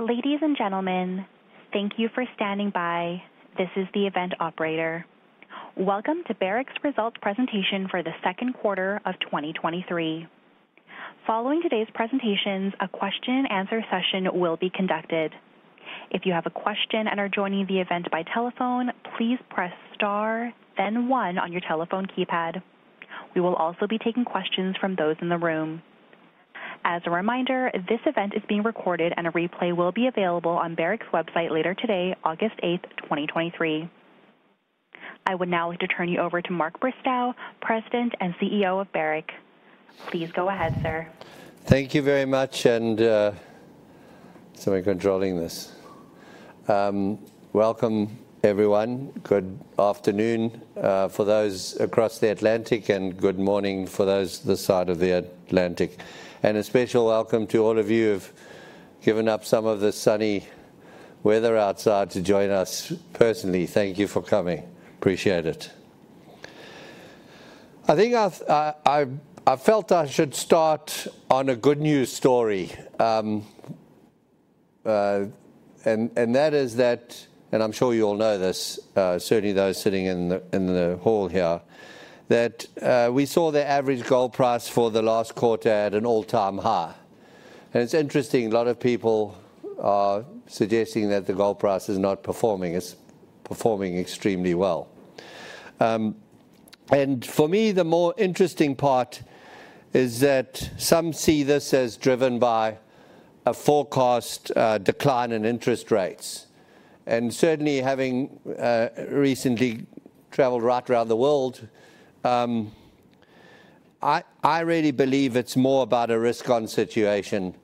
Ladies and gentlemen, thank you for standing by. This is the event operator. Welcome to Barrick's results presentation for the second quarter of 2023. Following today's presentations, a question and answer session will be conducted. If you have a question and are joining the event by telephone, please press Star, then one on your telephone keypad. We will also be taking questions from those in the room. As a reminder, this event is being recorded and a replay will be available on Barrick's website later today, August 8th, 2023. I would now like to turn you over to Mark Bristow, President and CEO of Barrick. Please go ahead, sir. Thank you very much, someone controlling this. Welcome, everyone. Good afternoon for those across the Atlantic, and good morning for those this side of the Atlantic. A special welcome to all of you who've given up some of the sunny weather outside to join us personally. Thank you for coming. Appreciate it. I felt I should start on a good news story, that is that, I'm sure you all know this, certainly those sitting in the hall here, that we saw the average gold price for the last quarter at an all-time high. It's interesting, a lot of people are suggesting that the gold price is not performing. It's performing extremely well. For me, the more interesting part is that some see this as driven by a forecast decline in interest rates. Certainly having recently traveled right around the world, I, I really believe it's more about a risk-on situation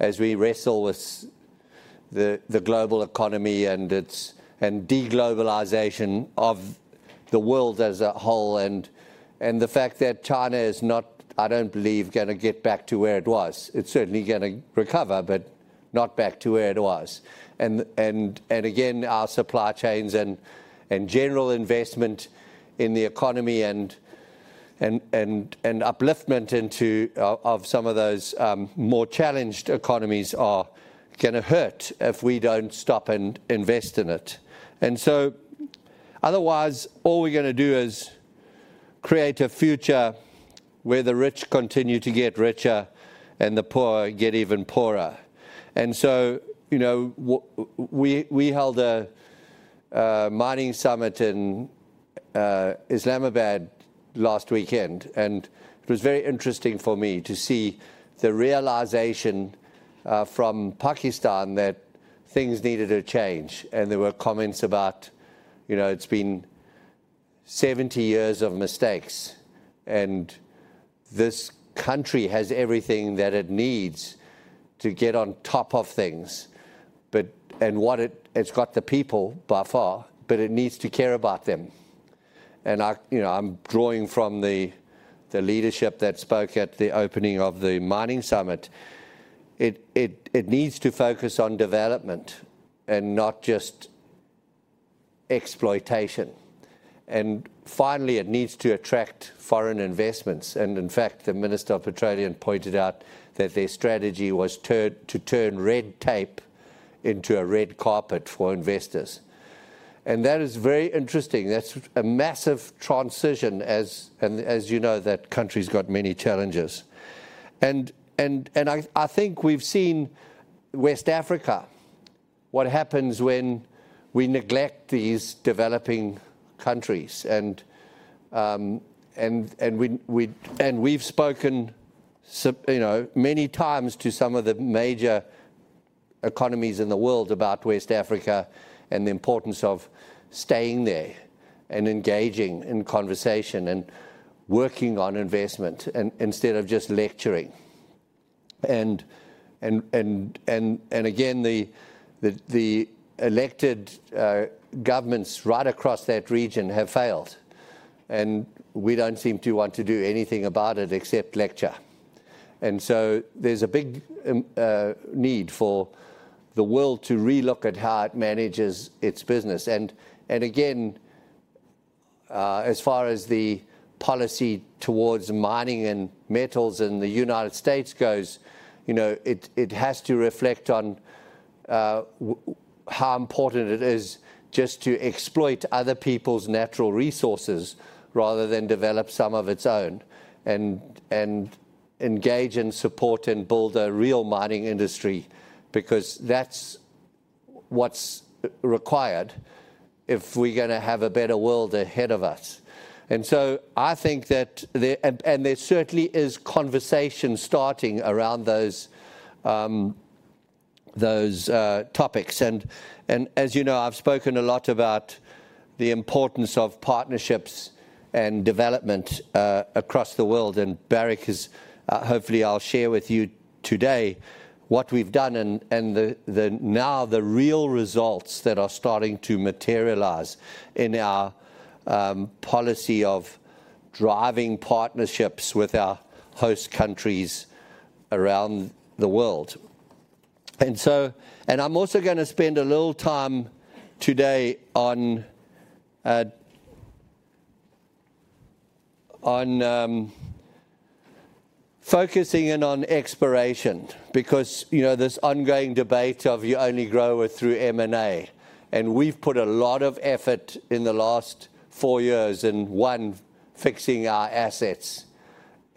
as we wrestle with the global economy and deglobalization of the world as a whole, and the fact that China is not, I don't believe, gonna get back to where it was. It's certainly gonna recover, but not back to where it was. Again, our supply chains and general investment in the economy and upliftment into, of, of some of those more challenged economies are gonna hurt if we don't stop and invest in it. Otherwise, all we're gonna do is create a future where the rich continue to get richer and the poor get even poorer. You know, we, we held a mining summit in Islamabad last weekend, and it was very interesting for me to see the realization from Pakistan that things needed to change. There were comments about, you know, it's been 70 years of mistakes, and this country has everything that it needs to get on top of things. What it's got the people by far, but it needs to care about them. I, you know, I'm drawing from the leadership that spoke at the opening of the mining summit. It, it, it needs to focus on development and not just exploitation. Finally, it needs to attract foreign investments. In fact, the Minister of Petroleum pointed out that their strategy was to turn red tape into a red carpet for investors. That is very interesting. That's a massive transition, as you know, that country's got many challenges. I think we've seen West Africa, what happens when we neglect these developing countries. We've spoken, you know, many times to some of the major economies in the world about West Africa and the importance of staying there and engaging in conversation and working on investment instead of just lecturing. Again, the elected governments right across that region have failed, and we don't seem to want to do anything about it except lecture. There's a big need for the world to relook at how it manages its business. Again, as far as the policy towards mining and metals in the United States goes, you know, it has to reflect on how important it is just to exploit other people's natural resources rather than develop some of its own, and engage and support and build a real mining industry, because that's what's required if we're gonna have a better world ahead of us. I think that the. There certainly is conversation starting around those topics. As you know, I've spoken a lot about the importance of partnerships and development across the world, and Barrick is, hopefully I'll share with you today what we've done and, and the, the, now the real results that are starting to materialize in our policy of driving partnerships with our host countries around the world. I'm also gonna spend a little time today on focusing in on exploration because, you know, there's ongoing debate of you only grow it through M&A. We've put a lot of effort in the last 4 years in, 1, fixing our assets,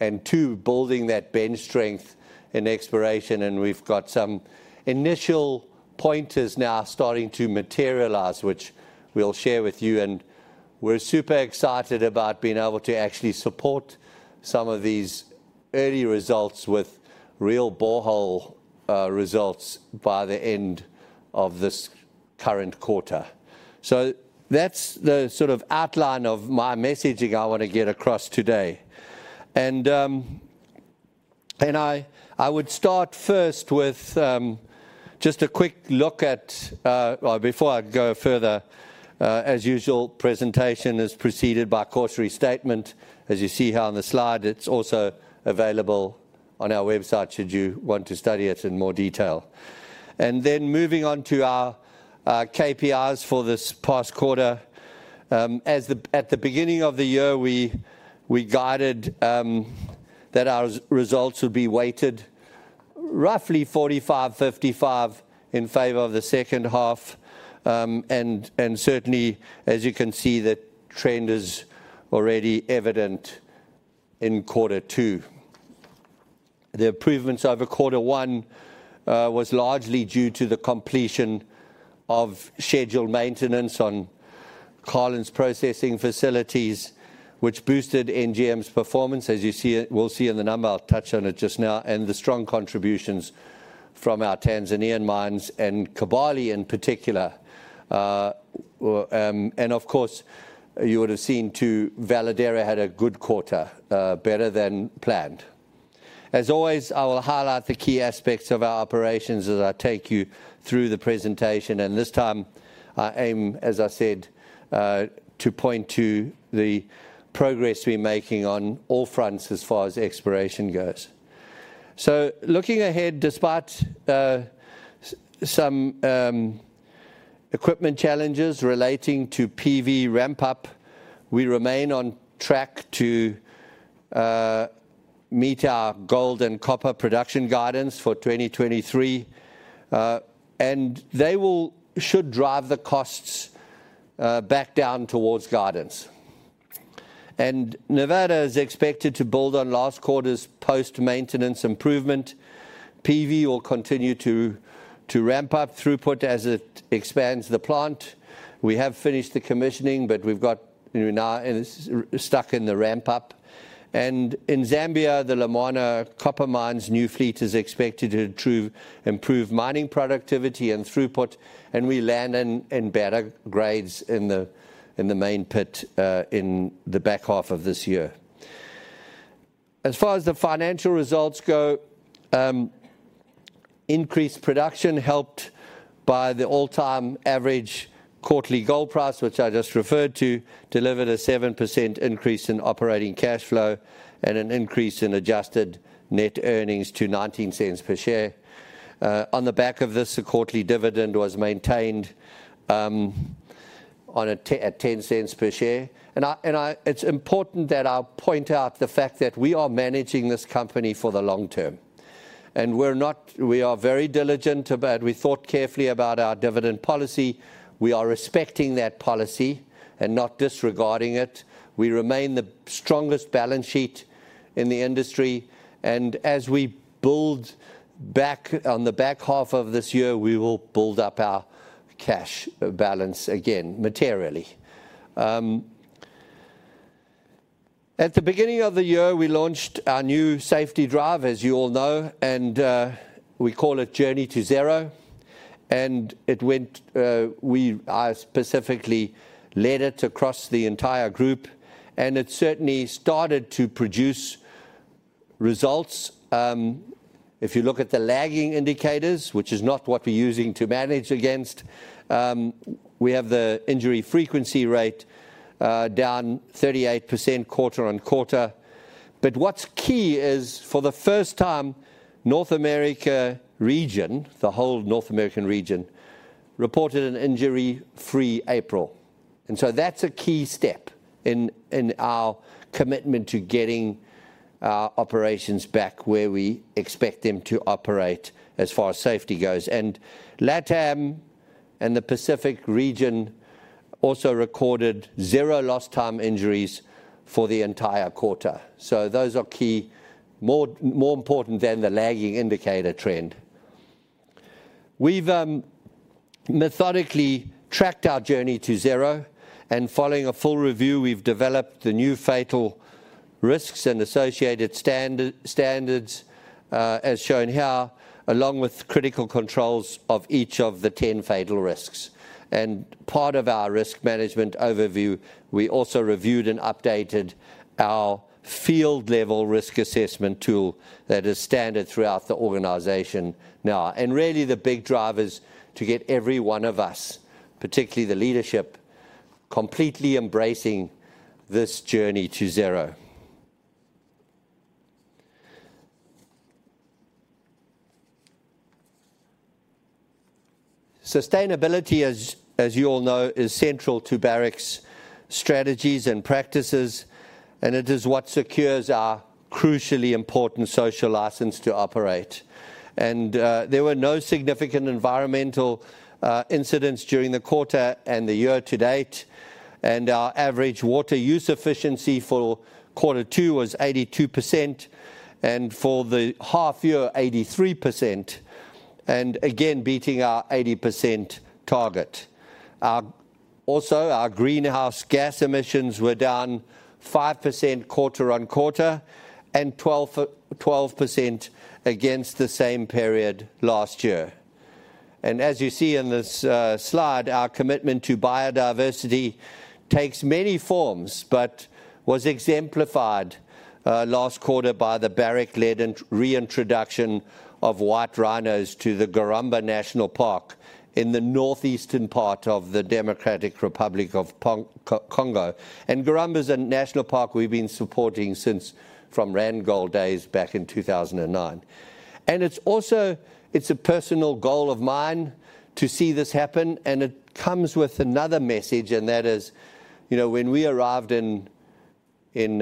and 2, building that bench strength in exploration. We've got some initial pointers now starting to materialize, which we'll share with you, and we're super excited about being able to actually support some of these early results with real borehole results by the end of this current quarter. That's the sort of outline of my messaging I wanna get across today. I would start first with just a quick look at. Well, before I go further, as usual, presentation is preceded by a cautionary statement, as you see here on the slide. It's also available on our website, should you want to study it in more detail. Moving on to our KPIs for this past quarter. As at the beginning of the year, we guided that our results would be weighted roughly 45, 55 in favor of the second half. Certainly, as you can see, that trend is already evident in Q2. The improvements over Q1 was largely due to the completion of scheduled maintenance on Carlin's processing facilities, which boosted NGM's performance, as you will see in the number. I'll touch on it just now, the strong contributions from our Tanzanian mines and Kibali in particular. Of course, you would have seen too, Veladero had a good quarter, better than planned. As always, I will highlight the key aspects of our operations as I take you through the presentation, this time, I aim, as I said, to point to the progress we're making on all fronts as far as exploration goes. Looking ahead, despite some equipment challenges relating to PV ramp-up, we remain on track to meet our gold and copper production guidance for 2023. They should drive the costs back down towards guidance. Nevada is expected to build on last quarter's post-maintenance improvement. PV will continue to ramp up throughput as it expands the plant. We have finished the commissioning, but we've got, you know, now it's stuck in the ramp-up. In Zambia, the Lumwana copper mine's new fleet is expected to improve mining productivity and throughput, and we land in better grades in the main pit in the back half of this year. As far as the financial results go, increased production, helped by the all-time average quarterly gold price, which I just referred to, delivered a 7% increase in operating cash flow and an increase in adjusted net earnings to $0.19 per share. On the back of this, a quarterly dividend was maintained at $0.10 per share. It's important that I point out the fact that we are managing this company for the long term. We thought carefully about our dividend policy. We are respecting that policy and not disregarding it. We remain the strongest balance sheet in the industry, and as we build back on the back half of this year, we will build up our cash balance again, materially. At the beginning of the year, we launched our new safety drive, as you all know, and we call it Journey to Zero, and it went, I specifically led it across the entire group, and it certainly started to produce results. If you look at the lagging indicators, which is not what we're using to manage against, we have the injury frequency rate down 38% quarter-on-quarter. What's key is, for the first time, North America region, the whole North America region, reported an injury-free April. That's a key step in our commitment to getting our operations back where we expect them to operate as far as safety goes. LATAM and the Pacific region also recorded zero lost time injuries for the entire quarter. Those are key, more, more important than the lagging indicator trend. We've methodically tracked our Journey to Zero, and following a full review, we've developed the new fatal risks and associated standards, as shown here, along with critical controls of each of the 10 fatal risks. Part of our risk management overview, we also reviewed and updated our field-level risk assessment tool that is standard throughout the organization now. Really, the big drive is to get every one of us, particularly the leadership, completely embracing this Journey to Zero. Sustainability, as you all know, is central to Barrick's strategies and practices, and it is what secures our crucially important social license to operate. There were no significant environmental incidents during the quarter and the year to date. Our average water use efficiency for Q2 was 82%, and for the half year, 83%, again, beating our 80% target. Also, our greenhouse gas emissions were down 5% quarter-on-quarter and 12% against the same period last year. As you see in this slide, our commitment to biodiversity takes many forms, but was exemplified last quarter by the Barrick-led reintroduction of white rhinos to the Garamba National Park in the northeastern part of the Democratic Republic of Congo. Garamba is a national park we've been supporting since from Randgold days back in 2009. It's also, it's a personal goal of mine to see this happen, and it comes with another message, and that is, you know, when we arrived in, in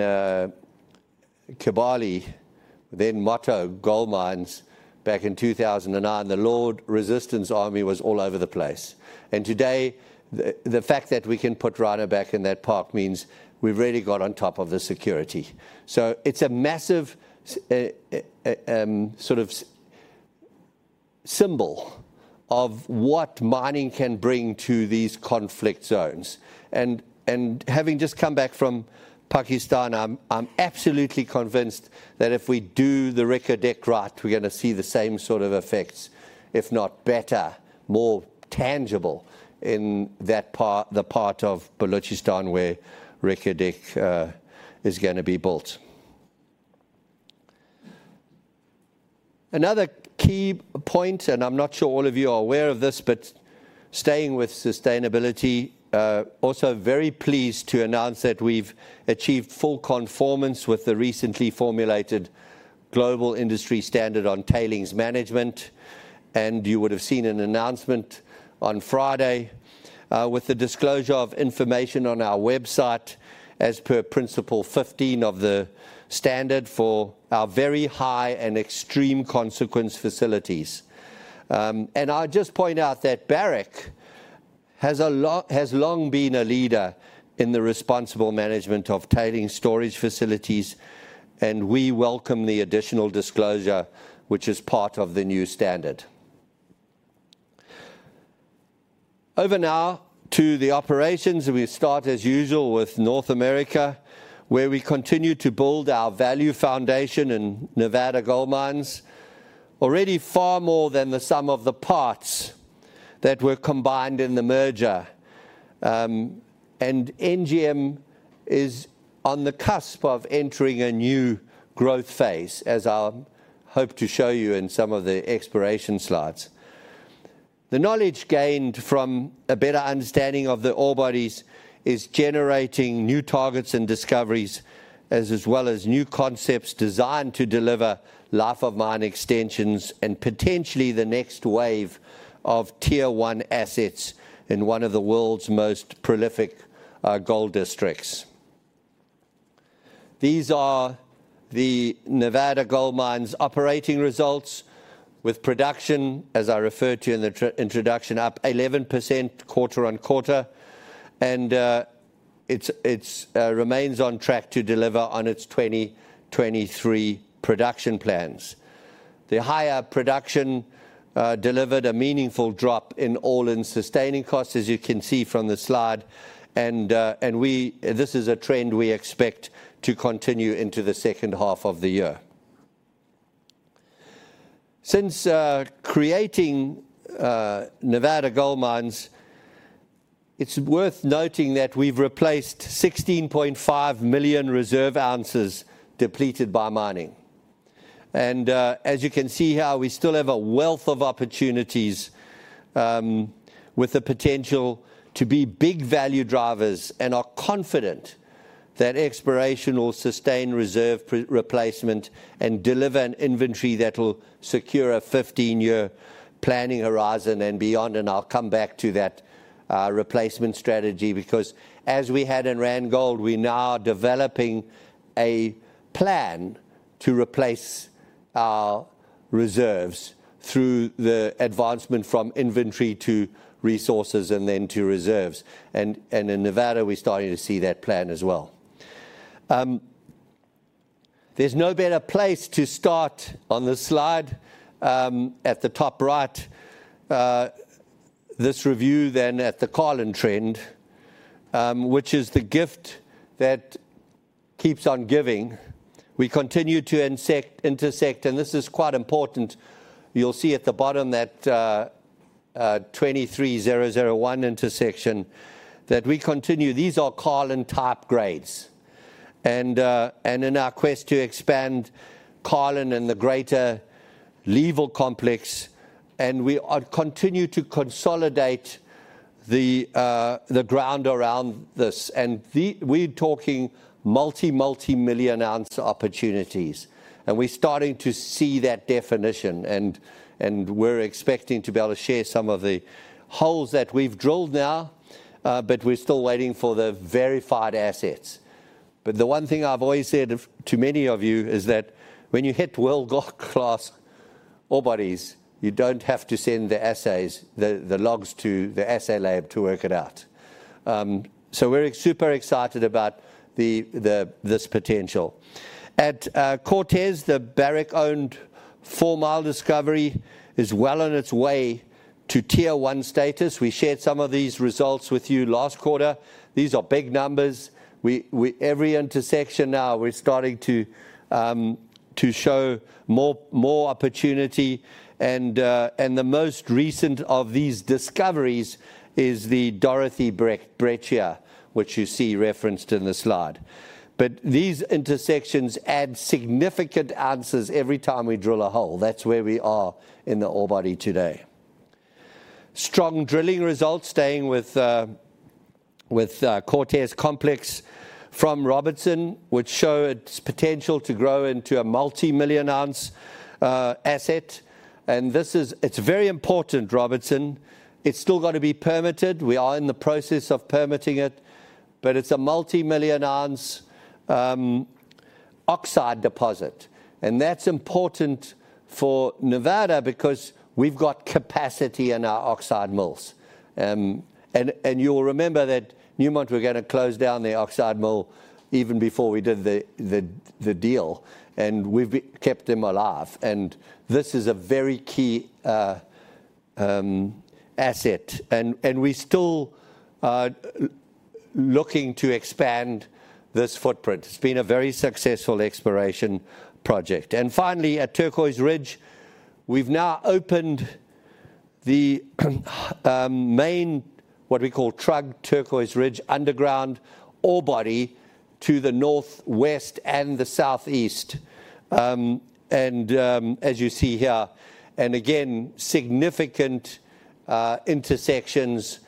Kibali, then Moto Gold Mines, back in 2009, the Lord's Resistance Army was all over the place. Today, the fact that we can put rhino back in that park means we've really got on top of the security. It's a massive, sort of symbol of what mining can bring to these conflict zones. Having just come back from Pakistan, I'm absolutely convinced that if we do the Reko Diq right, we're gonna see the same sort of effects, if not better, more tangible in that part, the part of Balochistan where Reko Diq is gonna be built. Another key point, I'm not sure all of you are aware of this, but staying with sustainability, also very pleased to announce that we've achieved full conformance with the recently formulated Global Industry Standard on Tailings Management. You would have seen an announcement on Friday with the disclosure of information on our website as per Principle 15 of the standard for our very high and extreme consequence facilities. I just point out that Barrick has long been a leader in the responsible management of tailings storage facilities, and we welcome the additional disclosure, which is part of the new standard. Over now to the operations. We start, as usual, with North America, where we continue to build our value foundation in Nevada Gold Mines. Already far more than the sum of the parts that were combined in the merger. NGM is on the cusp of entering a new growth phase, as I'll hope to show you in some of the exploration slides. The knowledge gained from a better understanding of the ore bodies is generating new targets and discoveries, as as well as new concepts designed to deliver life of mine extensions and potentially the next wave of Tier 1 assets in one of the world's most prolific gold districts. These are the Nevada Gold Mines operating results with production, as I referred to in the introduction, up 11% quarter-on-quarter, It's remains on track to deliver on its 2023 production plans. The higher production delivered a meaningful drop in all-in sustaining costs, as you can see from the slide. This is a trend we expect to continue into the second half of the year. Since creating Nevada Gold Mines, it's worth noting that we've replaced 16.5 million reserve ounces depleted by mining. As you can see here, we still have a wealth of opportunities with the potential to be big value drivers and are confident that exploration will sustain reserve replacement and deliver an inventory that will secure a 15-year planning horizon and beyond. I'll come back to that replacement strategy, because as we had in Randgold, we now are developing a plan to replace our reserves through the advancement from inventory to resources and then to reserves. In Nevada, we're starting to see that plan as well. There's no better place to start on this slide, at the top right, this review than at the Carlin Trend, which is the gift that keeps on giving. We continue to intersect, and this is quite important. You'll see at the bottom that 23001 intersection, that we continue. These are Carlin-type grades. In our quest to expand Carlin and the greater Leeville Complex, we continue to consolidate the ground around this. We're talking multi, multi-million ounce opportunities, and we're starting to see that definition, and we're expecting to be able to share some of the holes that we've drilled now, but we're still waiting for the verified assets. The one thing I've always said of, to many of you, is that when you hit world-class ore bodies, you don't have to send the assays, the, the logs to the assay lab to work it out. We're super excited about the, the, this potential. At Cortez, the Barrick-owned Fourmile discovery is well on its way to Tier 1 status. We shared some of these results with you last quarter. These are big numbers. We, we every intersection now, we're starting to show more, more opportunity and the most recent of these discoveries is the Dorothy Breccia, which you see referenced in the slide. These intersections add significant answers every time we drill a hole. That's where we are in the ore body today. Strong drilling results, staying with, with Cortez Complex from Robertson, which show its potential to grow into a multi-million ounce asset. It's very important, Robertson. It's still got to be permitted. We are in the process of permitting it, but it's a multi-million ounce oxide deposit, and that's important for Nevada because we've got capacity in our oxide mills. You'll remember that Newmont were gonna close down the oxide mill even before we did the deal, and we've kept them alive. This is a very key asset, and we're still looking to expand this footprint. It's been a very successful exploration project. Finally, at Turquoise Ridge, we've now opened the main, what we call TRUG, Turquoise Ridge Underground ore body to the northwest and the southeast. As you see here, again, significant intersections,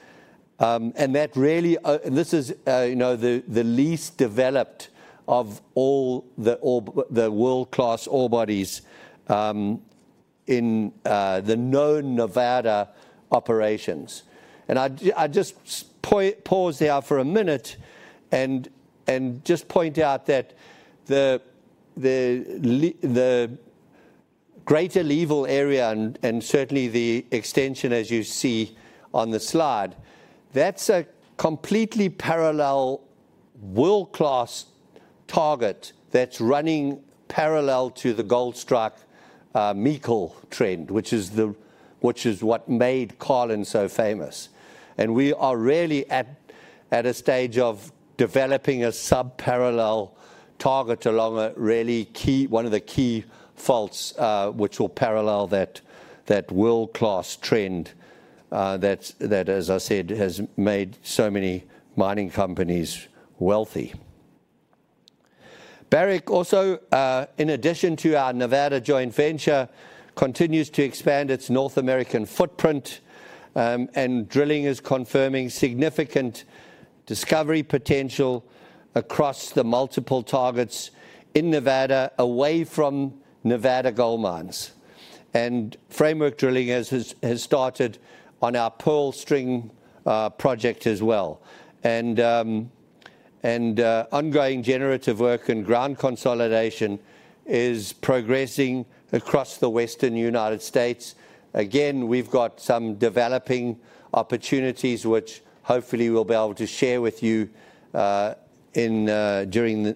and that really-- this is, you know, the, the least developed of all the ore-- the world-class ore bodies in the known Nevada operations. I just pause there for a minute and just point out that the, the greater Leeville area and certainly the extension, as you see on the slide, that's a completely parallel world-class target that's running parallel to the Goldstrike Meikle trend, which is what made Carlin so famous. We are really at, at a stage of developing a sub-parallel target along a really key, one of the key faults, which will parallel that, that world-class trend, that's, that, as I said, has made so many mining companies wealthy. Barrick also, in addition to our Nevada joint venture, continues to expand its North American footprint, and drilling is confirming significant discovery potential across the multiple targets in Nevada, away from Nevada Gold Mines. Framework drilling has started on our Pearl String project as well. Ongoing generative work and ground consolidation is progressing across the Western United States. Again, we've got some developing opportunities which hopefully we'll be able to share with you during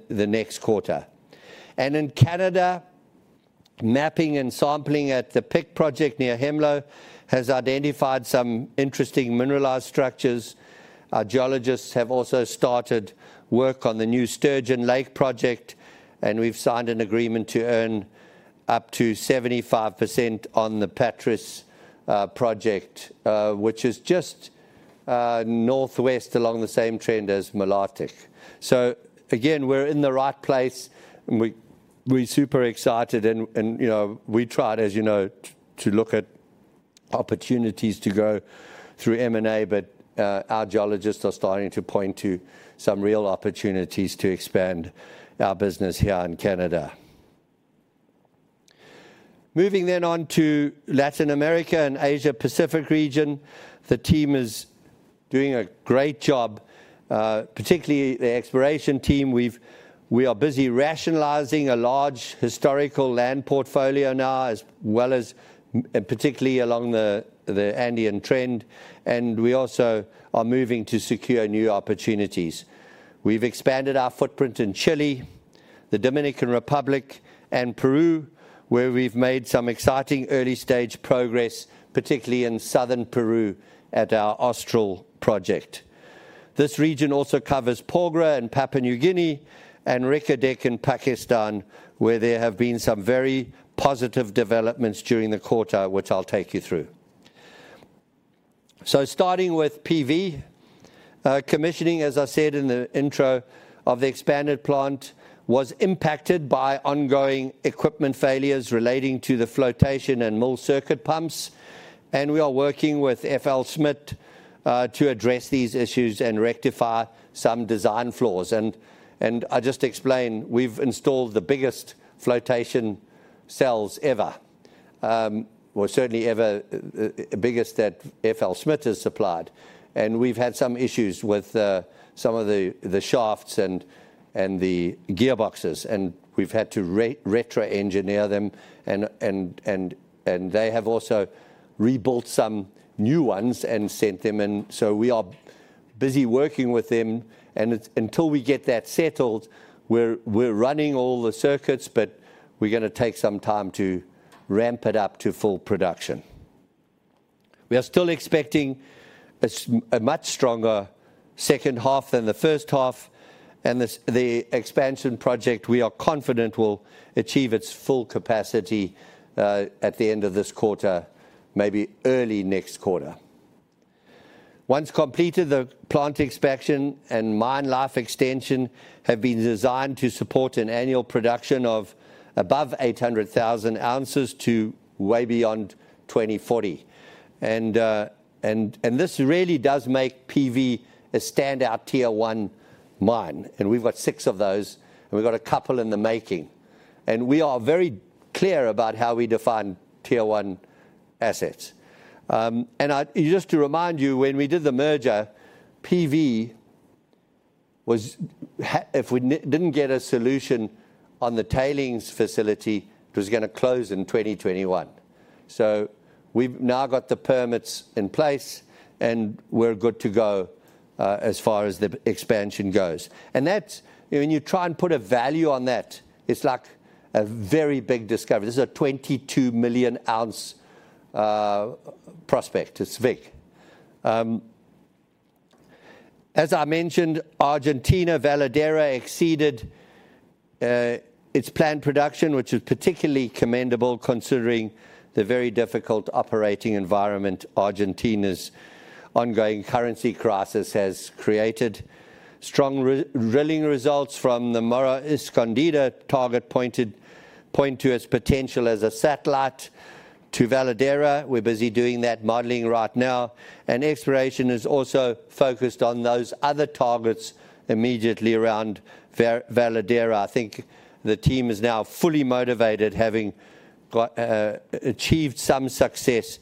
the next quarter. In Canada, mapping and sampling at the Pic project near Hemlo has identified some interesting mineralized structures. Our geologists have also started work on the new Sturgeon Lake project, and we've signed an agreement to earn up to 75% on the Partridge project, which is just northwest along the same trend as Malartic. Again, we're in the right place, and we, we're super excited and, and, you know, we tried, as you know, to look at opportunities to go through M&A, but, our geologists are starting to point to some real opportunities to expand our business here in Canada. Moving on to Latin America and Asia Pacific region, the team is doing a great job, particularly the exploration team. We are busy rationalizing a large historical land portfolio now, as well as, and particularly along the Andean trend, and we also are moving to secure new opportunities. We've expanded our footprint in Chile, the Dominican Republic, and Peru, where we've made some exciting early-stage progress, particularly in southern Peru at our Austral project. This region also covers Porgera in Papua New Guinea and Reko Diq in Pakistan, where there have been some very positive developments during the quarter, which I'll take you through. Starting with PV, commissioning, as I said in the intro of the expanded plant, was impacted by ongoing equipment failures relating to the flotation and mill circuit pumps. We are working with FLSmidth to address these issues and rectify some design flaws. I just explained, we've installed the biggest flotation cells ever. Well, certainly ever, the biggest that FLSmidth has supplied. We've had some issues with some of the shafts and the gearboxes, and we've had to retro engineer them. They have also rebuilt some new ones and sent them in. We are busy working with them, and it's until we get that settled, we're running all the circuits, but we're gonna take some time to ramp it up to full production. We are still expecting a much stronger second half than the first half, and this, the expansion project, we are confident will achieve its full capacity at the end of this quarter, maybe early next quarter. Once completed, the plant expansion and mine life extension have been designed to support an annual production of above 800,000 ounces to way beyond 2040. This really does make PV a standout Tier 1 mine, and we've got six of those, and we've got a couple in the making. We are very clear about how we define Tier 1 assets. Just to remind you, when we did the merger, PV was if we didn't get a solution on the tailings facility, it was gonna close in 2021. We've now got the permits in place, and we're good to go as far as the expansion goes. That's, when you try and put a value on that, it's like a very big discovery. This is a 22 million-ounce prospect. It's big. As I mentioned, Argentina Veladero exceeded its planned production, which is particularly commendable, considering the very difficult operating environment Argentina's ongoing currency crisis has created. Strong re-drilling results from the Morro Escondido target point to its potential as a satellite to Veladero. We're busy doing that modeling right now, exploration is also focused on those other targets immediately around Veladero. I think the team is now fully motivated, having got achieved some success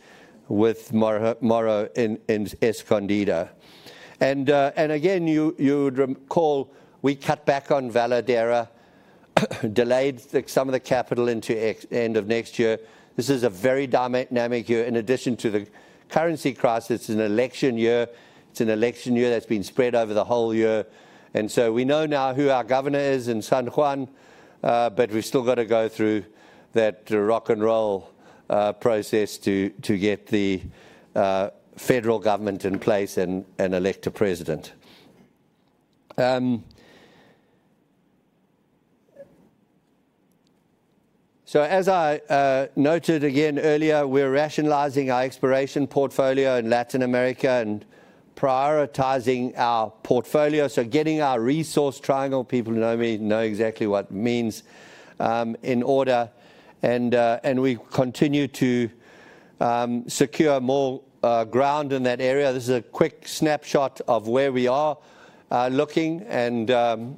with Morro, Morro and Escondida. Again, you, you would recall, we cut back on Veladero, delayed the some of the capital into end of next year. This is a very dynamic year. In addition to the currency crisis, it's an election year. It's an election year that's been spread over the whole year, we know now who our governor is in San Juan, but we've still got to go through that rock and roll process to get the federal government in place and elect a president. So as I noted again earlier, we're rationalizing our exploration portfolio in Latin America and prioritizing our portfolio, so getting our resource triangle, people who know me know exactly what it means, in order. We continue to secure more ground in that area. This is a quick snapshot of where we are looking and,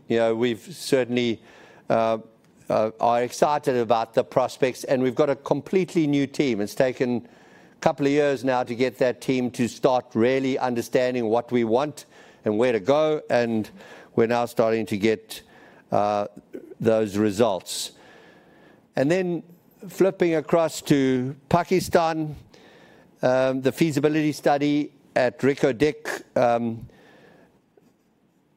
you know, we've certainly are excited about the prospects, and we've got a completely new team. It's taken a couple of years now to get that team to start really understanding what we want and where to go, and we're now starting to get those results. Then flipping across to Pakistan, the feasibility study at Reko Diq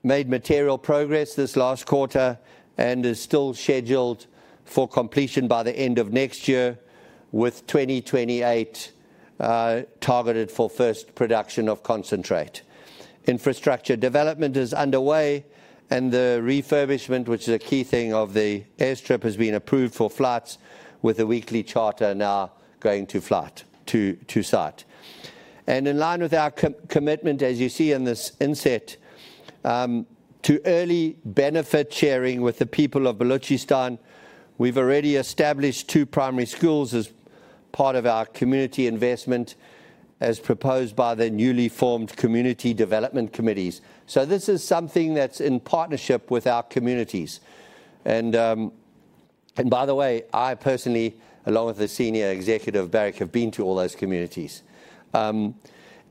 made material progress this last quarter and is still scheduled for completion by the end of next year, with 2028 targeted for first production of concentrate. Infrastructure development is underway, and the refurbishment, which is a key thing of the airstrip, has been approved for flights, with a weekly charter now going to flight to, to site. In line with our co- commitment, as you see in this inset, to early benefit sharing with the people of Balochistan, we've already established 2 primary schools as part of our community investment, as proposed by the newly formed community development committees. This is something that's in partnership with our communities. By the way, I personally, along with the senior executive, Barrick, have been to all those communities.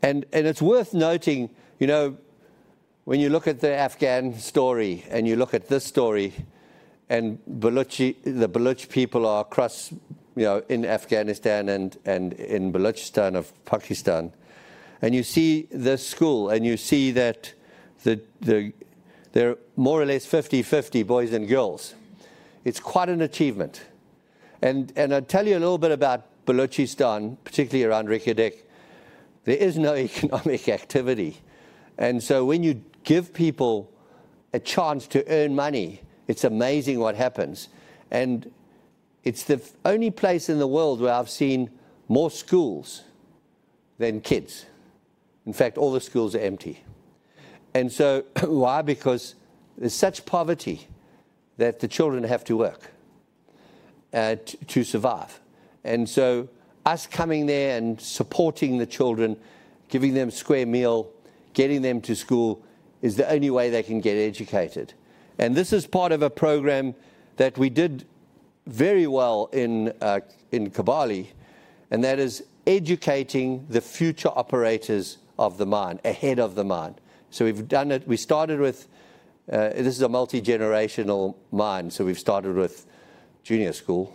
It's worth noting, you know, when you look at the Afghan story, and you look at this story, the Baloch people are across, you know, in Afghanistan and in Balochistan of Pakistan. You see the school, and you see that they're more or less 50/50 boys and girls. It's quite an achievement. I'll tell you a little bit about Balochistan, particularly around Reko Diq. There is no economic activity. When you give people a chance to earn money, it's amazing what happens. It's the only place in the world where I've seen more schools than kids. In fact, all the schools are empty. Why? Because there's such poverty that the children have to work to survive. Us coming there and supporting the children, giving them a square meal, getting them to school, is the only way they can get educated. This is part of a program that we did very well in Kibali, and that is educating the future operators of the mine, ahead of the mine. We've done it. We started with. This is a multi-generational mine, so we've started with junior school.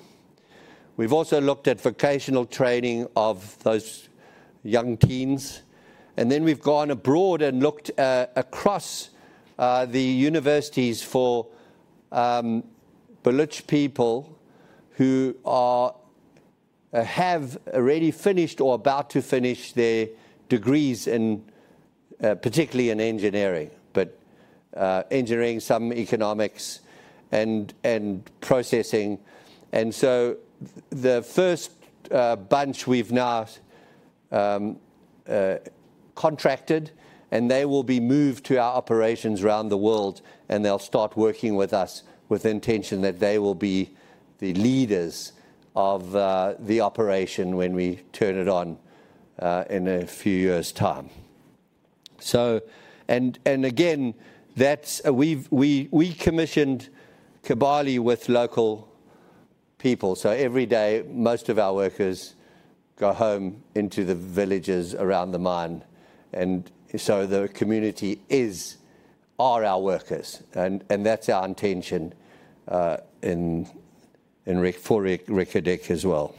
We've also looked at vocational training of those young teens, then we've gone abroad and looked across the universities for Baloch people who are have already finished or about to finish their degrees in particularly in engineering, but engineering, some economics, and processing. So the first bunch we've now contracted, and they will be moved to our operations around the world, and they'll start working with us with the intention that they will be the leaders of the operation when we turn it on in a few years' time. Again, that's we've we commissioned Kibali with local people, so every day, most of our workers go home into the villages around the mine, and so the community is are our workers. That's our intention for Reko Diq as well.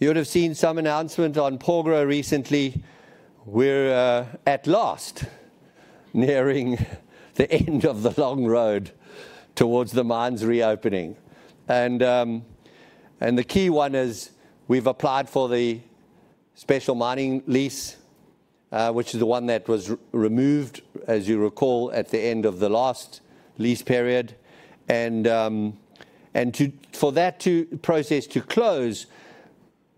You would have seen some announcement on Porgera recently. We're at last nearing the end of the long road towards the mine's reopening. The key one is, we've applied for the special mining lease, which is the one that was removed, as you recall, at the end of the last lease period. For that process to close,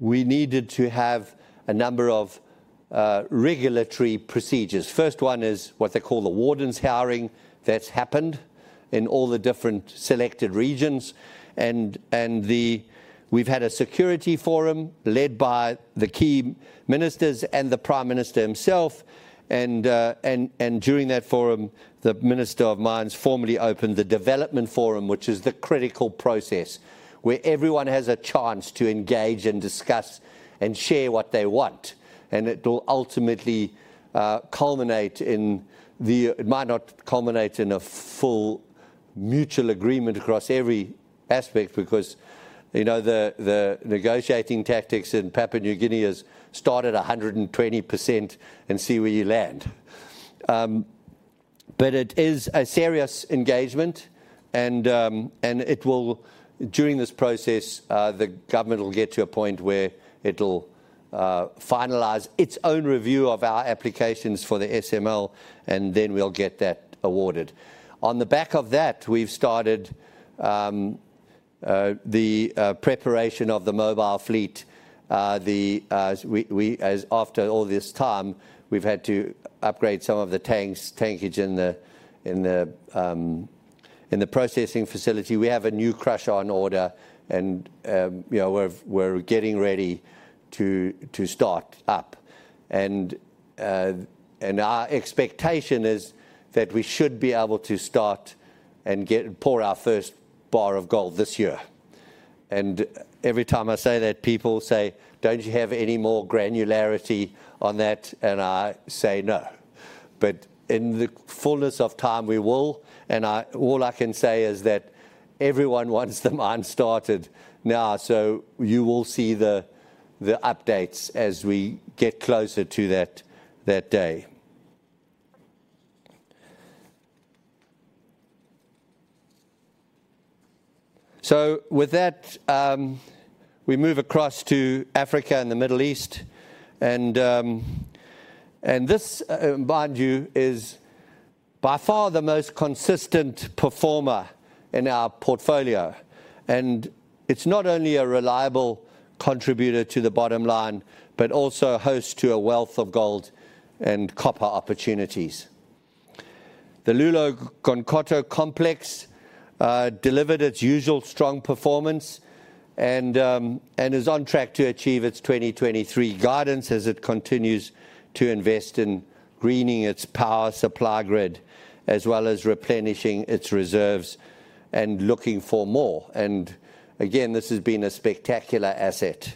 we needed to have a number of regulatory procedures. First one is what they call the warden's hearing. That's happened in all the different selected regions, and we've had a security forum led by the key ministers and the Prime Minister himself. During that forum, the Minister of Mines formally opened the development forum, which is the critical process where everyone has a chance to engage and discuss and share what they want, and it'll ultimately culminate in the... It might not culminate in a full mutual agreement across every aspect because, you know, the negotiating tactics in Papua New Guinea is start at 120% and see where you land. But it is a serious engagement, and it will. During this process, the government will get to a point where it'll finalize its own review of our applications for the SML, and then we'll get that awarded. On the back of that, we've started the preparation of the mobile fleet. The, after all this time, we've had to upgrade some of the tanks, tankage in the, in the, in the processing facility. We have a new crusher on order, you know, we're, we're getting ready to, to start up. Our expectation is that we should be able to start and pour our first bar of gold this year. Every time I say that, people say, "Don't you have any more granularity on that?" I say, "No." In the fullness of time, we will, all I can say is that everyone wants the mine started now, so you will see the, the updates as we get closer to that, that day. With that, we move across to Africa and the Middle East. This, mind you, is by far the most consistent performer in our portfolio, and it's not only a reliable contributor to the bottom line, but also a host to a wealth of gold and copper opportunities. The Loulo-Gounkoto complex delivered its usual strong performance and is on track to achieve its 2023 guidance as it continues to invest in greening its power supply grid as well as replenishing its reserves and looking for more. Again, this has been a spectacular asset.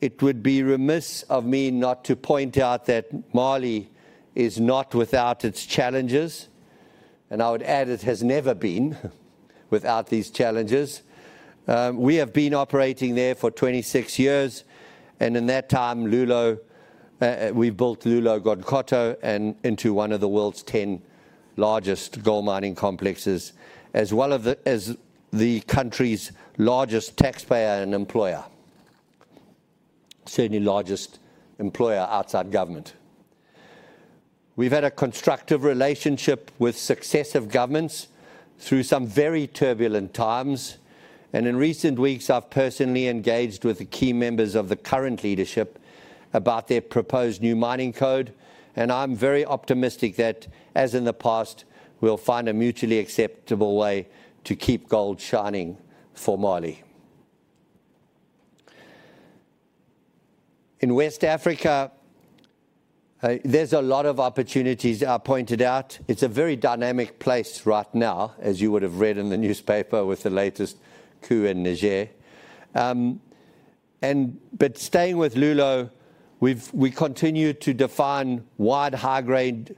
It would be remiss of me not to point out that Mali is not without its challenges, and I would add it has never been without these challenges. We have been operating there for 26 years. In that time, Loulo, we've built Loulo-Gounkoto and into one of the world's 10 largest gold mining complexes, as well as the country's largest taxpayer and employer, certainly largest employer outside government. We've had a constructive relationship with successive governments through some very turbulent times. In recent weeks, I've personally engaged with the key members of the current leadership about their proposed new mining code. I'm very optimistic that, as in the past, we'll find a mutually acceptable way to keep gold shining for Mali. In West Africa, there's a lot of opportunities I pointed out. It's a very dynamic place right now, as you would have read in the newspaper with the latest coup in Niger. But staying with Loulo, we continue to define wide, high-grade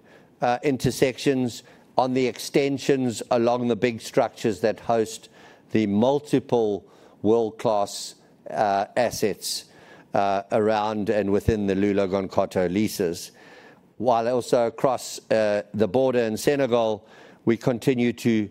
intersections on the extensions along the big structures that host the multiple world-class assets around and within the Loulo-Gounkoto leases. Also across the border in Senegal, we continue to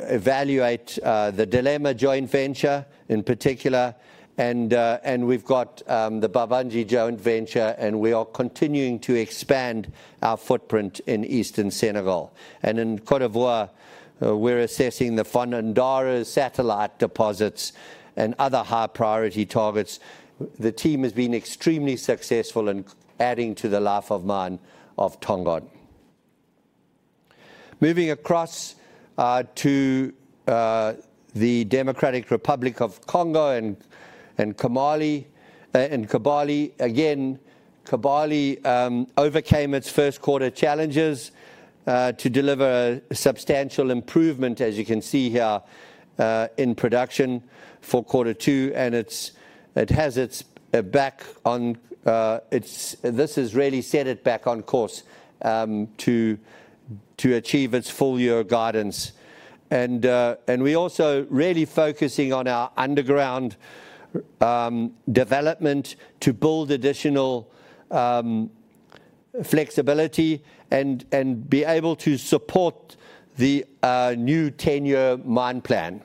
evaluate the Diamele joint venture in particular, and we've got the Bambadji joint venture, and we are continuing to expand our footprint in eastern Senegal. In Cote d'Ivoire, we're assessing the Fonondara satellite deposits and other high-priority targets. The team has been extremely successful in adding to the life of mine of Tongon. Moving across to the Democratic Republic of the Congo and Kibali and Kibali. Kibali overcame its first quarter challenges to deliver substantial improvement, as you can see here, in production for quarter two, and this has really set it back on course to achieve its full-year guidance. We also really focusing on our underground development to build additional flexibility and be able to support the new 10-year mine plan.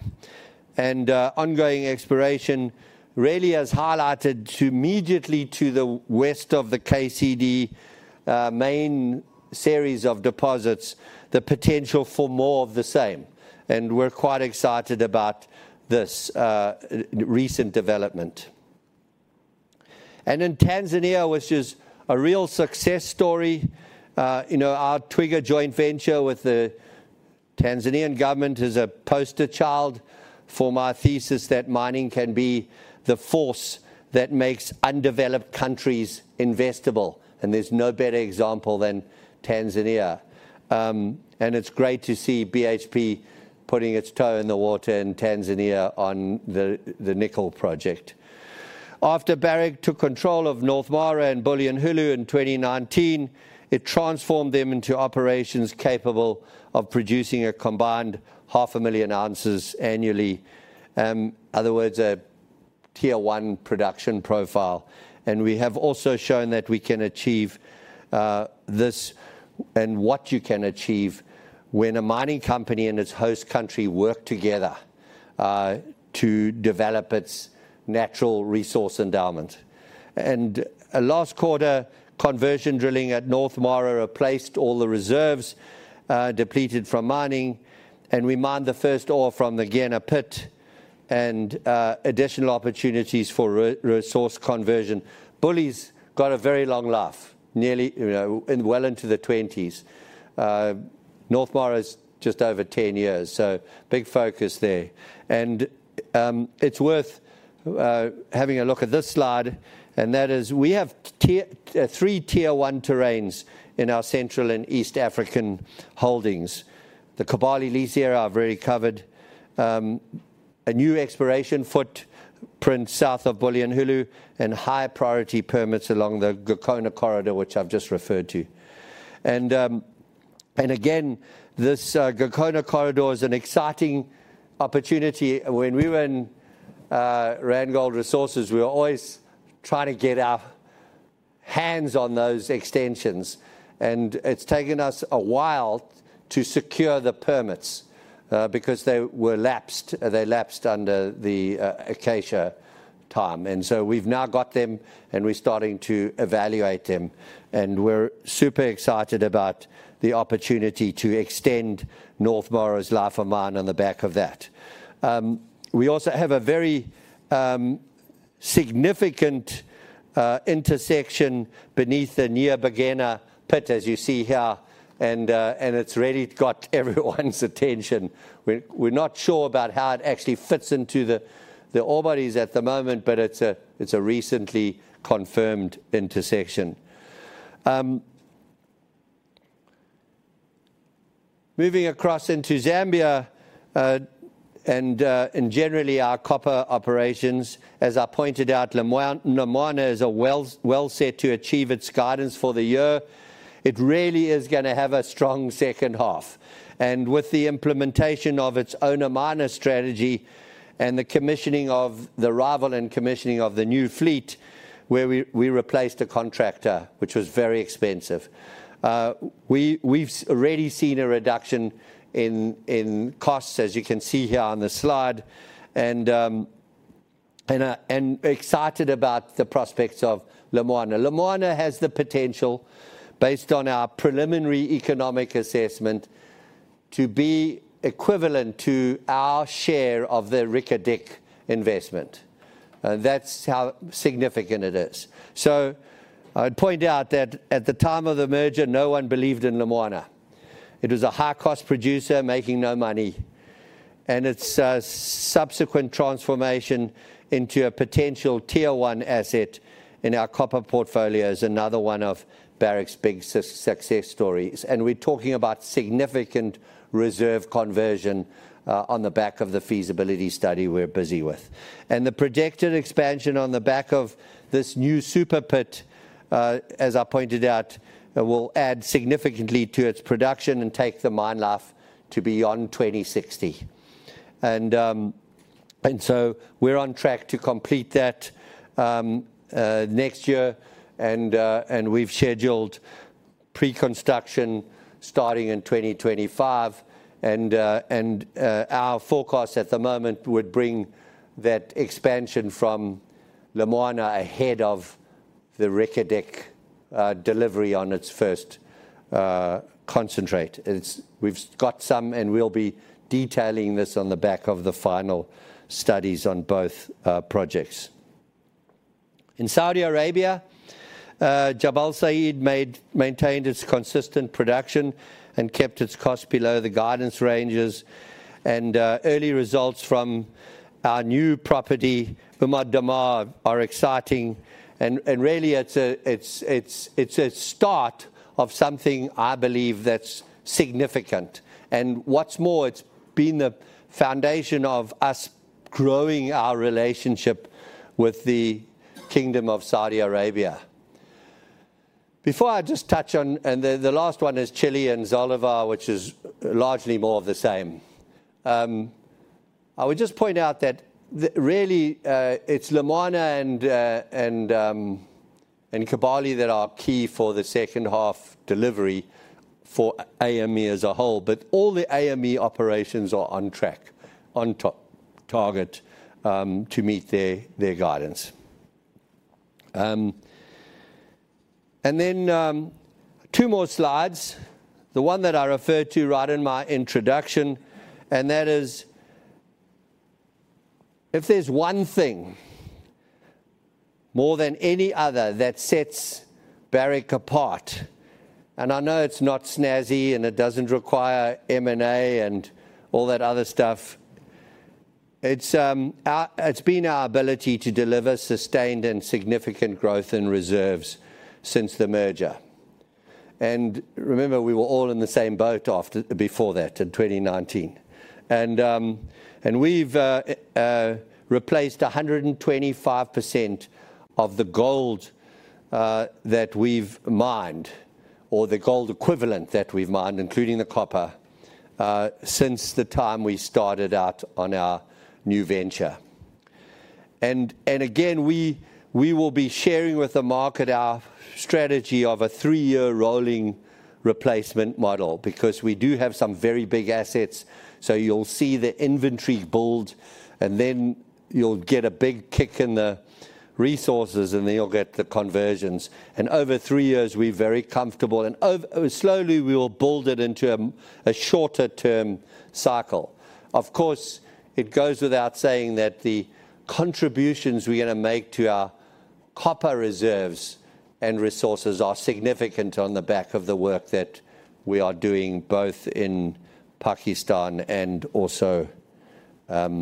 Ongoing exploration really has highlighted to immediately to the west of the KCD main series of deposits, the potential for more of the same, and we're quite excited about this recent development. In Tanzania, which is a real success story, you know, our Twiga joint venture with the Tanzanian government is a poster child for my thesis that mining can be the force that makes undeveloped countries investable, and there's no better example than Tanzania. It's great to see BHP putting its toe in the water in Tanzania on the nickel project. After Barrick took control of North Mara and Bulyanhulu in 2019, it transformed them into operations capable of producing a combined 500,000 ounces annually. Other words, a Tier 1 production profile. We have also shown that we can achieve this and what you can achieve when a mining company and its host country work together to develop its natural resource endowment. A last-quarter conversion drilling at North Mara replaced all the reserves, depleted from mining, and we mined the first ore from the Nyana pit and additional opportunities for resource conversion. Buly's got a very long life, nearly, you know, and well into the twenties. North Mara is just over 10 years, so big focus there. It's worth having a look at this slide, and that is we have three Tier 1 terrains in our Central and East African holdings. The Kibali lease here I've already covered. A new exploration footprint south of Bulyanhulu, and high-priority permits along the Gokona Corridor, which I've just referred to. Again, this Gokona Corridor is an exciting opportunity. When we were in Randgold Resources, we were always trying to get our hands on those extensions, and it's taken us a while to secure the permits, because they were lapsed. They lapsed under the Acacia time. We've now got them, and we're starting to evaluate them, and we're super excited about the opportunity to extend North Mara's life of mine on the back of that. We also have a very significant intersection beneath the Near Bagena pit, as you see here. It's really got everyone's attention. We're not sure about how it actually fits into the ore bodies at the moment, but it's a recently confirmed intersection. Moving across into Zambia, and generally our copper operations, as I pointed out, Lumwana is a well, well set to achieve its guidance for the year. It really is gonna have a strong second half. With the implementation of its own Lumwana strategy and the commissioning of the rival and commissioning of the new fleet, where we replaced a contractor, which was very expensive. We've already seen a reduction in, in costs, as you can see here on the slide, and excited about the prospects of Lumwana. Lumwana has the potential, based on our preliminary economic assessment, to be equivalent to our share of the Reko Diq investment. That's how significant it is. I'd point out that at the time of the merger, no one believed in Lumwana. It was a high-cost producer making no money, its subsequent transformation into a Tier 1 asset in our copper portfolio is another one of Barrick's big success stories. We're talking about significant reserve conversion on the back of the feasibility study we're busy with. The projected expansion on the back of this new super pit, as I pointed out, will add significantly to its production and take the mine life to beyond 2060. So we're on track to complete that next year, and we've scheduled pre-construction starting in 2025. Our forecast at the moment would bring that expansion from Lumwana ahead of the Reko Diq delivery on its first concentrate. It's. We've got some, and we'll be detailing this on the back of the final studies on both projects. In Saudi Arabia, Jabal Sayid maintained its consistent production and kept its cost below the guidance ranges. Early results from our new property, Ummu Dammar, are exciting and really it's a, it's, it's, it's a start of something I believe that's significant. What's more, it's been the foundation of us growing our relationship with the Kingdom of Saudi Arabia. Before I just touch on. The last one is Chile and Zaldívar, which is largely more of the same. I would just point out that really it's Lumwana and Kibali that are key for the second half delivery for AME as a whole. All the AME operations are on track, on target, to meet their, their guidance. Two more slides. The 1 that I referred to right in my introduction, and that is, if there's 1 thing more than any other that sets Barrick apart, and I know it's not snazzy, and it doesn't require M&A and all that other stuff, it's been our ability to deliver sustained and significant growth in reserves since the merger. Remember, we were all in the same boat before that, in 2019. We've replaced 125% of the gold that we've mined, or the gold equivalent that we've mined, including the copper, since the time we started out on our new venture. Again, we will be sharing with the market our strategy of a three-year rolling replacement model, because we do have some very big assets. You'll see the inventory build, and then you'll get a big kick in the resources, and then you'll get the conversions. Over three years, we're very comfortable. Slowly, we will build it into a shorter-term cycle. Of course, it goes without saying that the contributions we're gonna make to our copper reserves and resources are significant on the back of the work that we are doing, both in Pakistan and also, and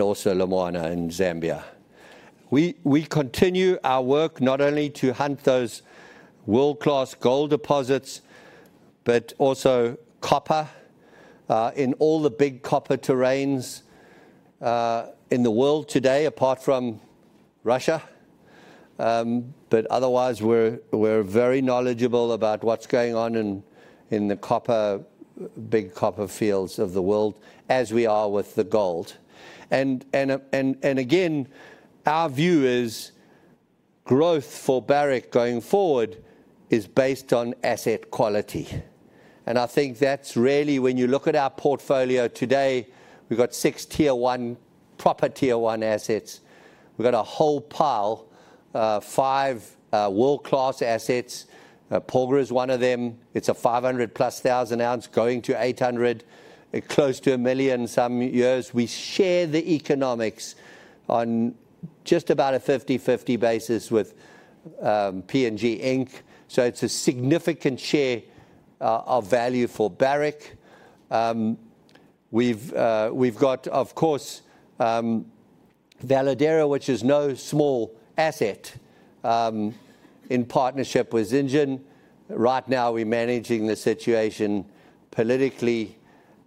also Lumwana in Zambia. We continue our work not only to hunt those world-class gold deposits, but also copper in all the big copper terrains in the world today, apart from Russia. Otherwise, we're, we're very knowledgeable about what's going on in, in the copper, big copper fields of the world, as we are with the gold. Again, our view is growth for Barrick going forward is based on asset quality. I think that's really when you look at our portfolio today, we've got six Tier 1, proper Tier 1 assets. We've got a whole pile, five world-class assets. Porgera is one of them. It's a 500,000+ ounce, going to 800, close to 1 million some years. We share the economics on just about a 50/50 basis with PNG Inc. It's a significant share of value for Barrick. We've, we've got, of course, Veladero, which is no small asset, in partnership with Zijin. Right now, we're managing the situation politically.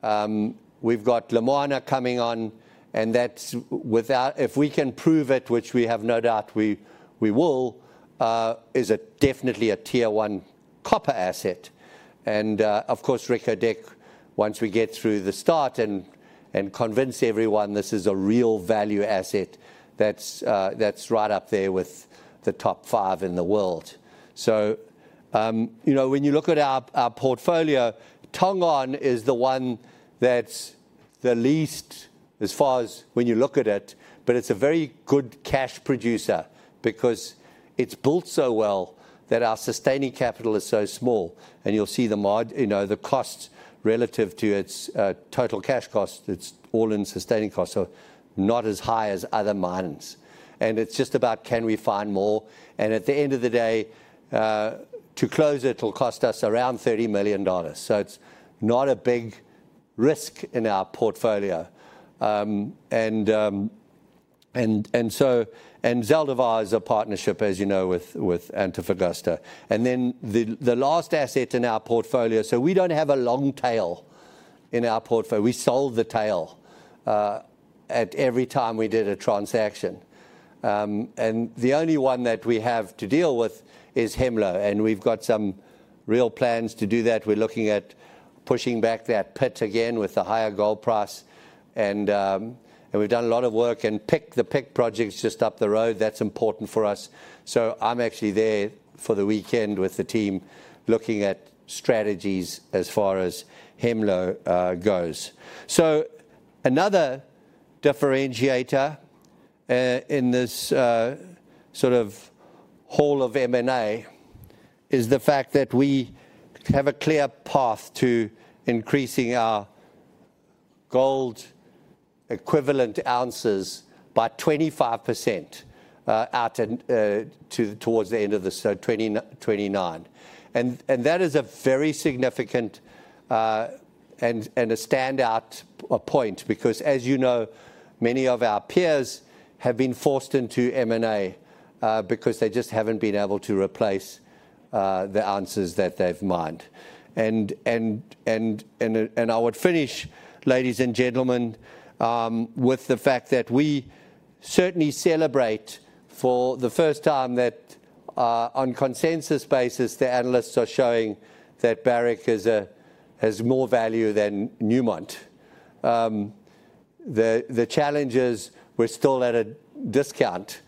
We've got Lumwana coming on, and that's, without- If we can prove it, which we have no doubt we, we will-, is a definitely a Tier 1 copper asset. Of course, Reko Diq, once we get through the start and convince everyone this is a real value asset, that's, that's right up there with the top five in the world. You know, when you look at our portfolio, Tongon is the one that's the least as far as when you look at it, but it's a very good cash producer because it's built so well that our sustaining capital is so small, and you'll see the you know, the costs relative to its total cash costs, its all-in sustaining costs, are not as high as other mines. It's just about can we find more? At the end of the day, to close it will cost us around $30 million. It's not a big risk in our portfolio. Zaldívar is a partnership, as you know, with Antofagasta. The last asset in our portfolio. We don't have a long tail in our portfolio. We sold the tail at every time we did a transaction. The only one that we have to deal with is Hemlo, and we've got some real plans to do that. We're looking at pushing back that pit again with the higher gold price. We've done a lot of work. The Pic Project is just up the road, that's important for us. I'm actually there for the weekend with the team, looking at strategies as far as Hemlo goes. Another differentiator in this sort of hall of M&A is the fact that we have a clear path to increasing our gold equivalent ounces by 25% towards the end of this, so 2029. That is a very significant and a standout point, because, as you know, many of our peers have been forced into M&A because they just haven't been able to replace the ounces that they've mined. I would finish, ladies and gentlemen, with the fact that we certainly celebrate for the first time that on consensus basis, the analysts are showing that Barrick has more value than Newmont. The, the challenge is we're still at a discount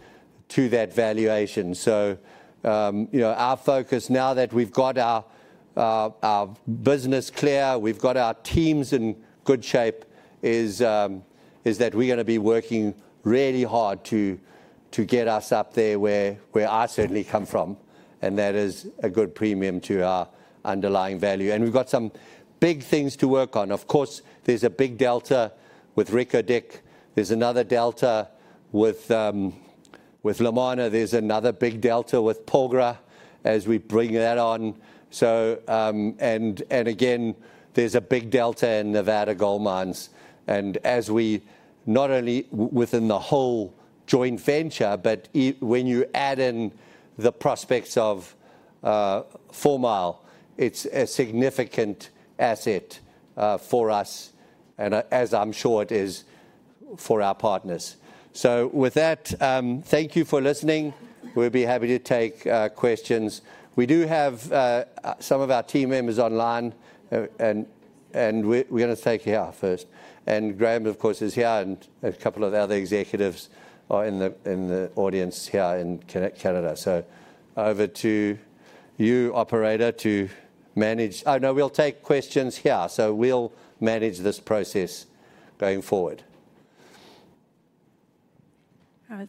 to that valuation. You know, our focus now that we've got our business clear, we've got our teams in good shape, is that we're gonna be working really hard to get us up there where, where I certainly come from, and that is a good premium to our underlying value. We've got some big things to work on. Of course, there's a big delta with Reko Diq. There's another delta with Lumwana. There's another big delta with Porgera as we bring that on. Again, there's a big delta in Nevada Gold Mines. As we, not only within the whole joint venture, but when you add in the prospects of Four Mile, it's a significant asset for us, and as I'm sure it is for our partners. With that, thank you for listening. We'll be happy to take questions. We do have some of our team members online, and we're gonna take you here first. Graham, of course, is here, and a couple of other executives are in the audience here in Canada. Over to you, operator, to manage... Oh, no, we'll take questions here. We'll manage this process going forward.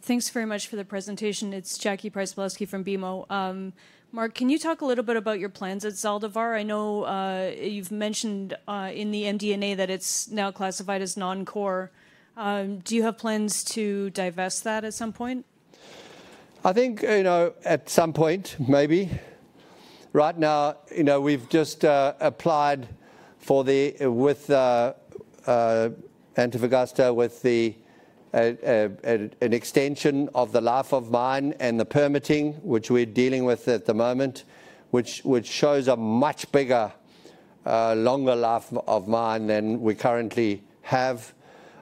Thanks very much for the presentation. It's Jackie Pryzbylowski from BMO. Mark, can you talk a little bit about your plans at Zaldívar? I know, you've mentioned, in the MD&A that it's now classified as non-core. Do you have plans to divest that at some point? I think, you know, at some point, maybe. Right now, you know, we've just applied for the with Antofagasta, with an extension of the life of mine and the permitting, which we're dealing with at the moment, which shows a much bigger, longer life of mine than we currently have.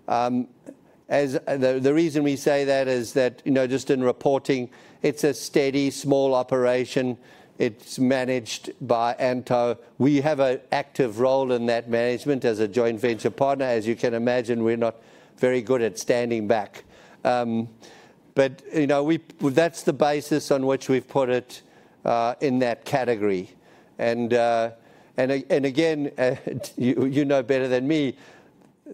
The reason we say that is that, you know, just in reporting, it's a steady, small operation. It's managed by Anto. We have an active role in that management as a joint venture partner. As you can imagine, we're not very good at standing back. You know, that's the basis on which we've put it in that category. Again, you, you know better than me,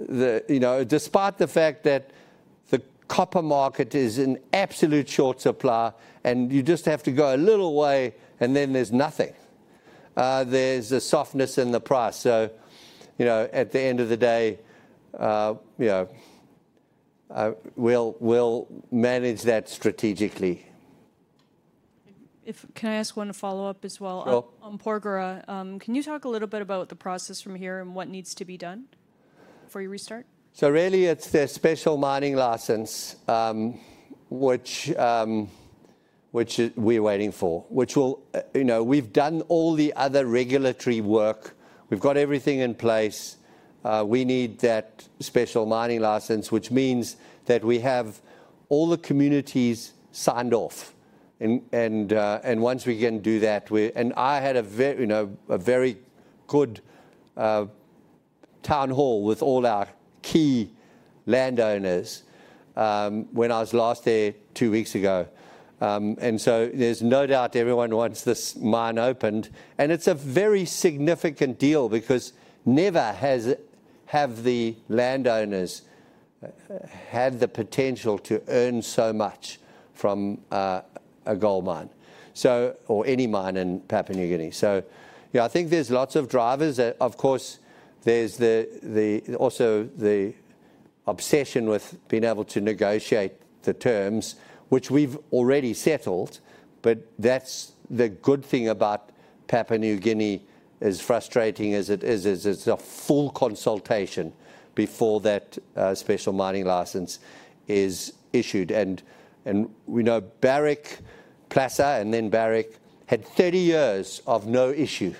you know, despite the fact that the copper market is in absolute short supply, and you just have to go a little way, and then there's nothing, there's a softness in the price. You know, at the end of the day, you know, we'll, we'll manage that strategically. Can I ask one follow-up as well? Sure. On, on Porgera, can you talk a little bit about the process from here and what needs to be done before you restart? Really, it's their special mining license, which, which, we're waiting for, which will... You know, we've done all the other regulatory work. We've got everything in place. We need that special mining license, which means that we have all the communities signed off. Once we can do that, I had a you know, a very good town hall with all our key landowners, when I was last there two weeks ago. There's no doubt everyone wants this mine opened. It's a very significant deal because never has, have the landowners had the potential to earn so much from a gold mine, or any mine in Papua New Guinea. Yeah, I think there's lots of drivers. Of course, there's also the obsession with being able to negotiate the terms, which we've already settled. That's the good thing about Papua New Guinea, as frustrating as it is, is it's a full consultation before that special mining license is issued. We know Barrick, Placer, and then Barrick had 30 years of no issue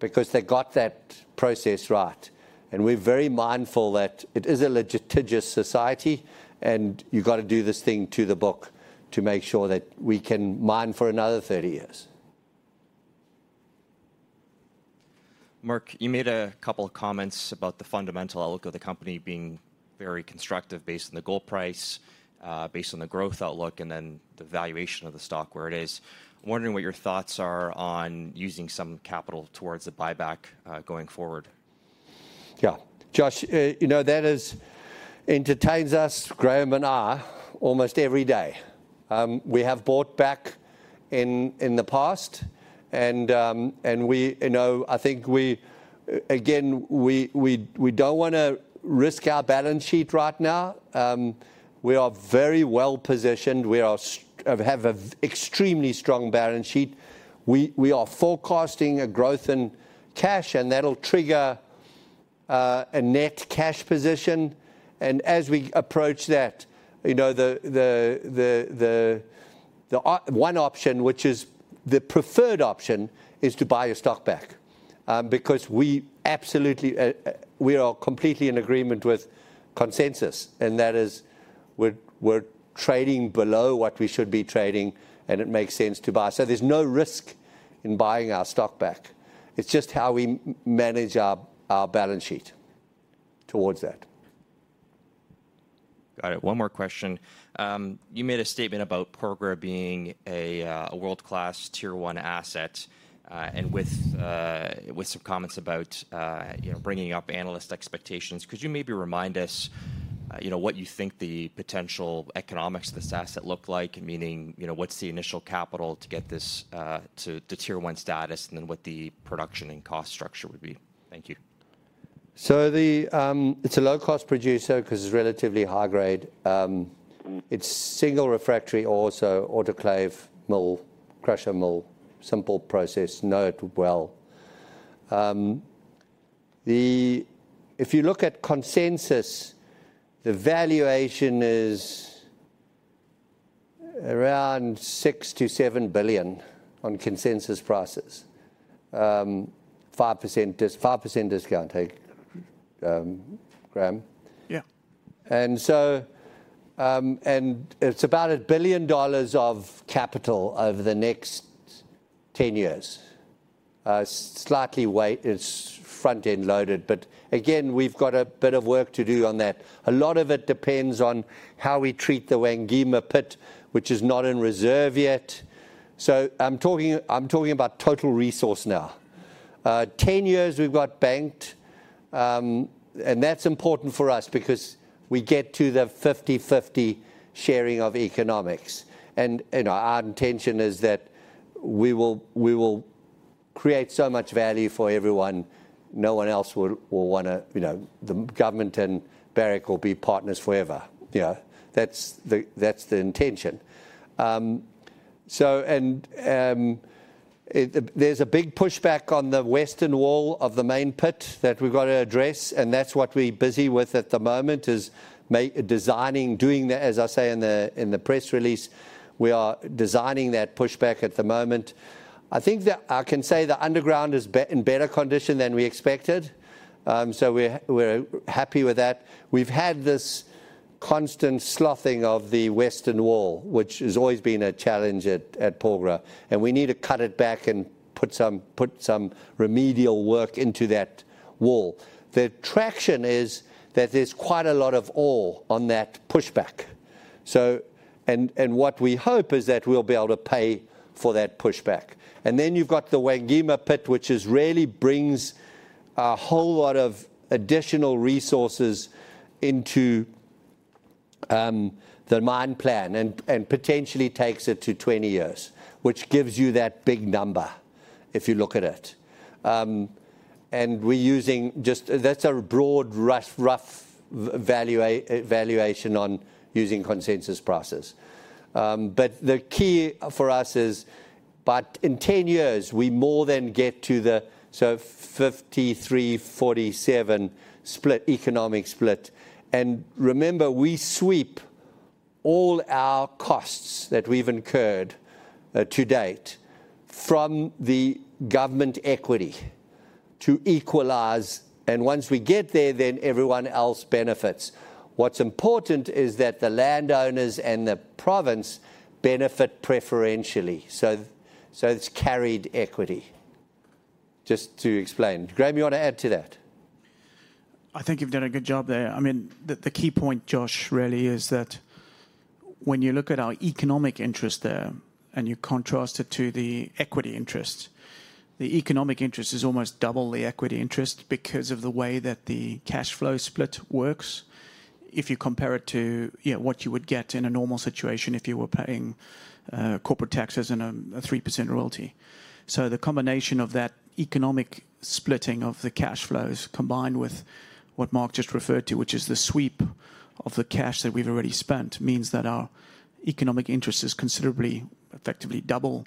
because they got that process right. We're very mindful that it is a litigious society, and you've got to do this thing to the book to make sure that we can mine for another 30 years. Mark, you made a couple of comments about the fundamental outlook of the company being very constructive based on the gold price, based on the growth outlook, and then the valuation of the stock where it is. I'm wondering what your thoughts are on using some capital towards the buyback, going forward? Yeah. Josh, you know, that is, entertains us, Graham and I, almost every day. We have bought back in, in the past, and, and we, you know, I think we, again, we, we, we don't wanna risk our balance sheet right now. We are very well positioned. We are have a extremely strong balance sheet. We, we are forecasting a growth in cash, and that'll trigger a net cash position. As we approach that, you know, the, the, the, the, the one option, which is the preferred option, is to buy your stock back, because we absolutely, we are completely in agreement with consensus, and that is, we're trading below what we should be trading, and it makes sense to buy. There's no risk in buying our stock back. It's just how we manage our balance sheet towards that. Got it. One more question. You made a statement about Porgera being a, a world-class Tier 1 asset, and with some comments about, you know, bringing up analyst expectations. Could you maybe remind us, you know, what you think the potential economics of this asset look like? Meaning, you know, what's the initial capital to get this to, to Tier 1 status, and then what the production and cost structure would be? Thank you. It's a low-cost producer 'cause it's relatively high grade. It's single refractory also, autoclave, mill, crusher mill, simple process. Know it well. If you look at consensus, the valuation is around $6 billion-$7 billion on consensus prices. Five percent discount, hey, Graham? Yeah. So, it's about $1 billion of capital over the next 10 years. Slightly weight is front-end loaded, but again, we've got a bit of work to do on that. A lot of it depends on how we treat the Wangima pit, which is not in reserve yet. I'm talking, I'm talking about total resource now. 10 years, we've got banked, and that's important for us because we get to the 50/50 sharing of economics. You know, our intention is that we will, we will create so much value for everyone, no one else will, will wanna, you know. The government and Barrick will be partners forever. Yeah, that's the, that's the intention. There's a big pushback on the western wall of the main pit that we've got to address, and that's what we're busy with at the moment, is designing. As I say in the press release, we are designing that pushback at the moment. I think I can say the underground is in better condition than we expected, so we're happy with that. We've had this constant sloughing of the western wall, which has always been a challenge at Porgera, and we need to cut it back and put some remedial work into that wall. The traction is that there's quite a lot of ore on that pushback. What we hope is that we'll be able to pay for that pushback. Then you've got the Wangima pit, which really brings a whole lot of additional resources into the mine plan, and potentially takes it to 20 years, which gives you that big number, if you look at it. We're using just. That's a broad, rough, rough valuation on using consensus prices. The key for us is, but in 10 years, we more than get to the, so 53, 47 split, economic split. Remember, we sweep all our costs that we've incurred to date from the government equity to equalize, and once we get there, then everyone else benefits. What's important is that the landowners and the province benefit preferentially. It's carried equity, just to explain. Graham, you want to add to that? I think you've done a good job there. I mean, the, the key point, Josh, really is that when you look at our economic interest there and you contrast it to the equity interest, the economic interest is almost double the equity interest because of the way that the cash flow split works, if you compare it to, you know, what you would get in a normal situation if you were paying corporate taxes and a 3% royalty. The combination of that economic splitting of the cash flows, combined with what Mark just referred to, which is the sweep of the cash that we've already spent, means that our economic interest is considerably, effectively double,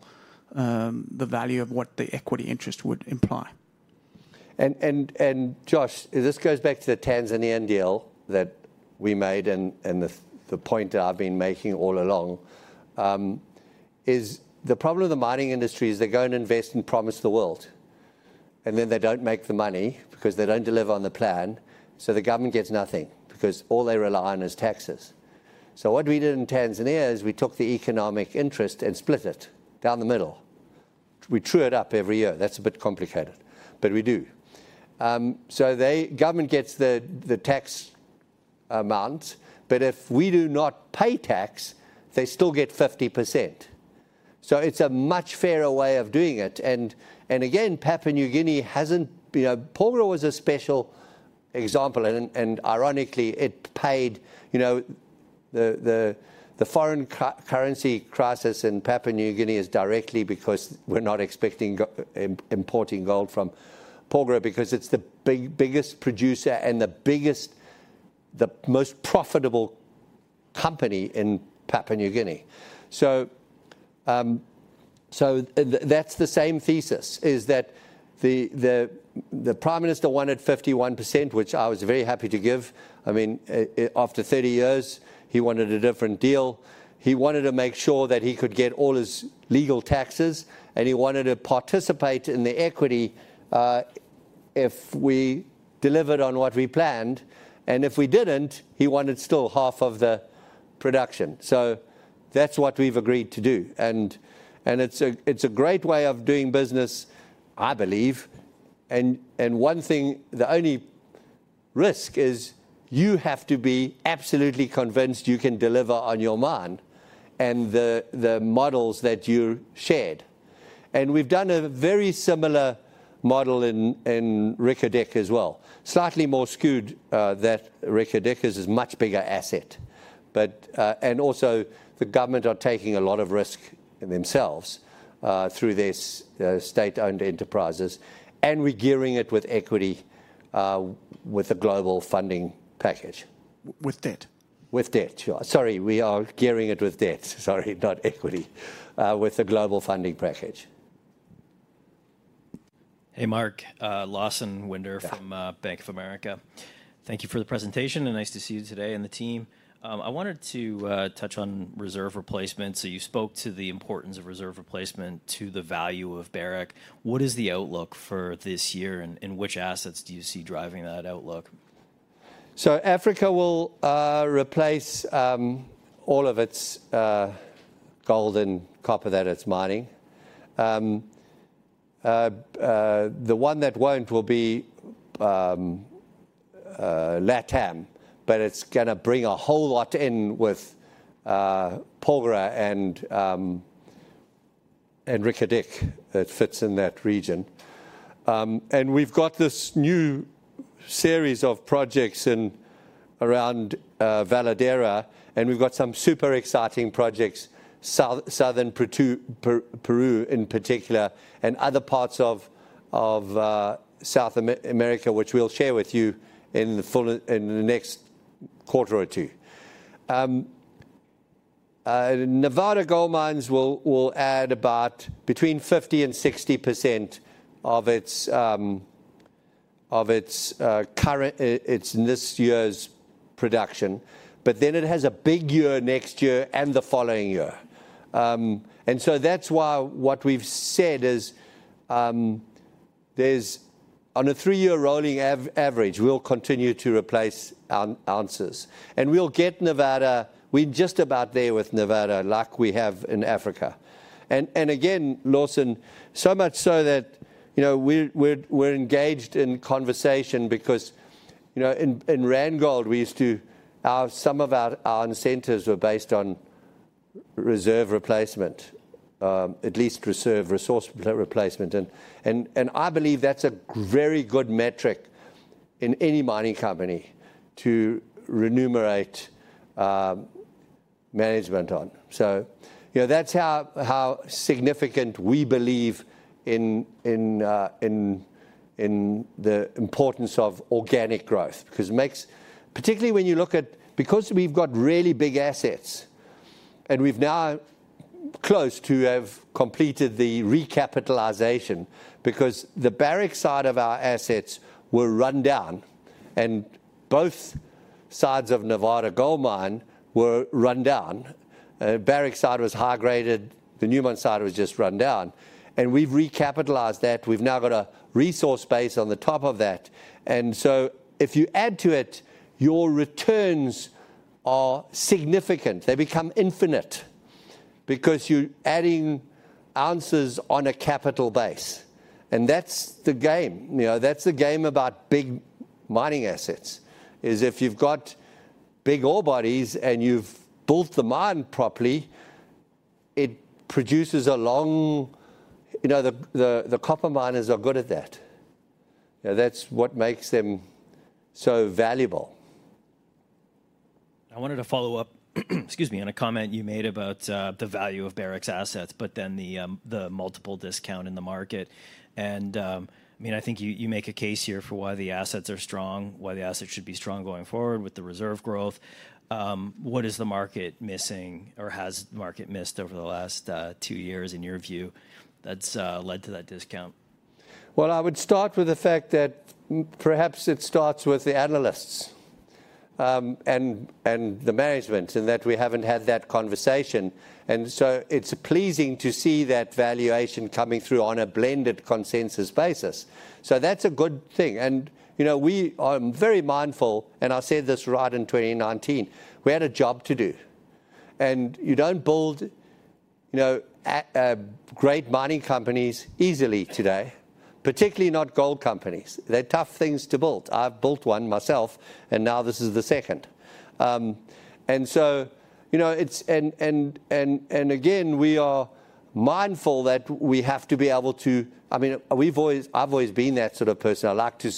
the value of what the equity interest would imply. Josh, this goes back to the Tanzanian deal that we made and, and the, the point that I've been making all along, is the problem with the mining industry is they go and invest and promise the world, and then they don't make the money because they don't deliver on the plan, so the government gets nothing because all they rely on is taxes. What we did in Tanzania is we took the economic interest and split it down the middle. We true it up every year. That's a bit complicated, but we do. Government gets the, the tax amount, but if we do not pay tax, they still get 50%. It's a much fairer way of doing it. Again, Papua New Guinea hasn't... You know, Porgera was a special example and, and ironically, it paid, you know, the, the, the foreign currency crisis in Papua New Guinea is directly because we're not expecting importing gold from Porgera, because it's the biggest producer and the biggest, the most profitable company in Papua New Guinea. That's the same thesis, is that the, the, the prime minister wanted 51%, which I was very happy to give. I mean, after 30 years, he wanted a different deal. He wanted to make sure that he could get all his legal taxes, and he wanted to participate in the equity, if we delivered on what we planned, and if we didn't, he wanted still half of the production. That's what we've agreed to do. It's a great way of doing business, I believe. One thing, the only risk is you have to be absolutely convinced you can deliver on your mine and the models that you shared. We've done a very similar model in Reko Diq as well. Slightly more skewed that Reko Diq is a much bigger asset. Also, the government are taking a lot of risk themselves through this state-owned enterprises, and we're gearing it with equity with a global funding package. With debt. With debt, sure. Sorry, we are gearing it with debt. Sorry, not equity, with a global funding package. Hey, Mark, Lawson Winder- Yeah. from Bank of America. Thank you for the presentation. Nice to see you today and the team. I wanted to touch on reserve replacement. You spoke to the importance of reserve replacement to the value of Barrick. What is the outlook for this year, and which assets do you see driving that outlook? Africa will replace all of its gold and copper that it's mining. The one that won't will be LATAM, but it's gonna bring a whole lot in with Porgera and Reko Diq that fits in that region. We've got this new series of projects in around Veladero, and we've got some super exciting projects, Southern Peru in particular, and other parts of South America, which we'll share with you in the full in the next quarter or two. Nevada Gold Mines will add about between 50% and 60% of its current its this year's production, but then it has a big year next year and the following year. That's why what we've said is, there's on a three-year rolling average, we'll continue to replace ounces. We'll get Nevada. We're just about there with Nevada, like we have in Africa. Again, Lawson, so much so that, you know, we're, we're, we're engaged in conversation because, you know, in Randgold, we used to, some of our, our incentives were based on reserve replacement, at least reserve resource replacement. I believe that's a very good metric in any mining company to remunerate management on. You know, that's how, how significant we believe in the importance of organic growth. Particularly when you look at because we've got really big assets, and we've... close to have completed the recapitalization, because the Barrick side of our assets were run down, and both sides of Nevada Gold Mines were run down. Barrick side was high-graded, the Newmont side was just run down. We've recapitalized that. We've now got a resource base on the top of that. If you add to it, your returns are significant. They become infinite because you're adding ounces on a capital base, and that's the game. You know, that's the game about big mining assets, is if you've got big ore bodies and you've built the mine properly, it produces a long- You know, the, the, the copper miners are good at that. You know, that's what makes them so valuable. I wanted to follow up, excuse me, on a comment you made about the value of Barrick's assets, but then the multiple discount in the market. I mean, I think you, you make a case here for why the assets are strong, why the assets should be strong going forward with the reserve growth. What is the market missing or has the market missed over the last two years, in your view, that's led to that discount? Well, I would start with the fact that perhaps it starts with the analysts, and the management, in that we haven't had that conversation, and so it's pleasing to see that valuation coming through on a blended consensus basis. That's a good thing. You know, we are very mindful, and I said this right in 2019, we had a job to do. You don't build, you know, great mining companies easily today, particularly not gold companies. They're tough things to build. I've built one myself, and now this is the second. So, you know, it's. Again, we are mindful that we have to be able to. I mean, we've always, I've always been that sort of person. I like to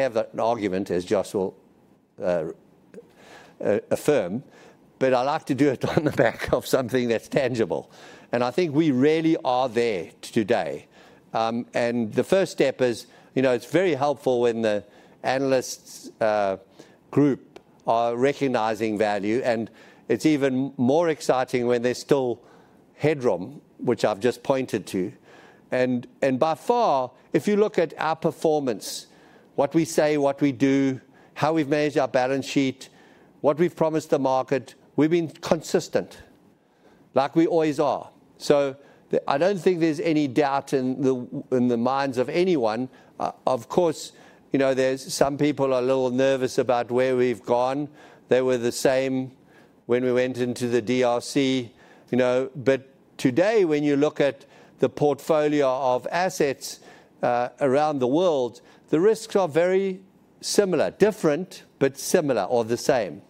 have an argument, as Josh will affirm, but I like to do it on the back of something that's tangible. I think we really are there today. The first step is, you know, it's very helpful when the analysts group are recognizing value, and it's even more exciting when there's still headroom, which I've just pointed to. By far, if you look at our performance, what we say, what we do, how we've managed our balance sheet, what we've promised the market, we've been consistent, like we always are. I don't think there's any doubt in the minds of anyone. Of course, you know, there's some people are a little nervous about where we've gone. They were the same when we went into the DRC, you know? Today, when you look at the portfolio of assets, around the world, the risks are very similar. Different, but similar or the same.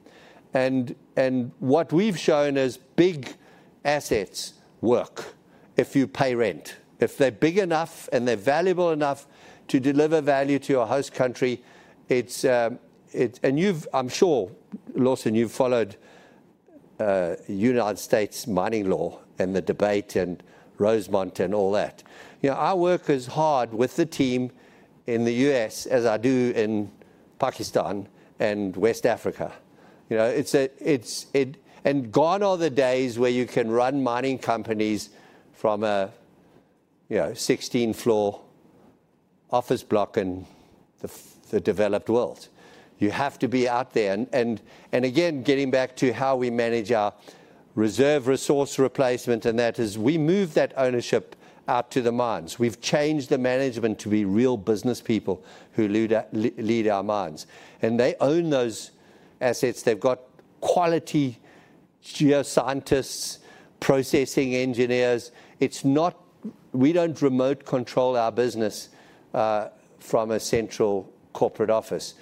What we've shown is big assets work if you pay rent. If they're big enough and they're valuable enough to deliver value to your host country, it's. You've, I'm sure, Lawson, you've followed, United States mining law and the debate and Rosemont and all that. You know, I work as hard with the team in the U.S. as I do in Pakistan and West Africa, you know? Gone are the days where you can run mining companies from a, you know, 16-floor office block in the developed world. You have to be out there. Again, getting back to how we manage our reserve resource replacement, and that is, we move that ownership out to the mines. We've changed the management to be real businesspeople who lead our mines, and they own those assets. They've got quality geoscientists, processing engineers. It's not. We don't remote control our business from a central corporate office.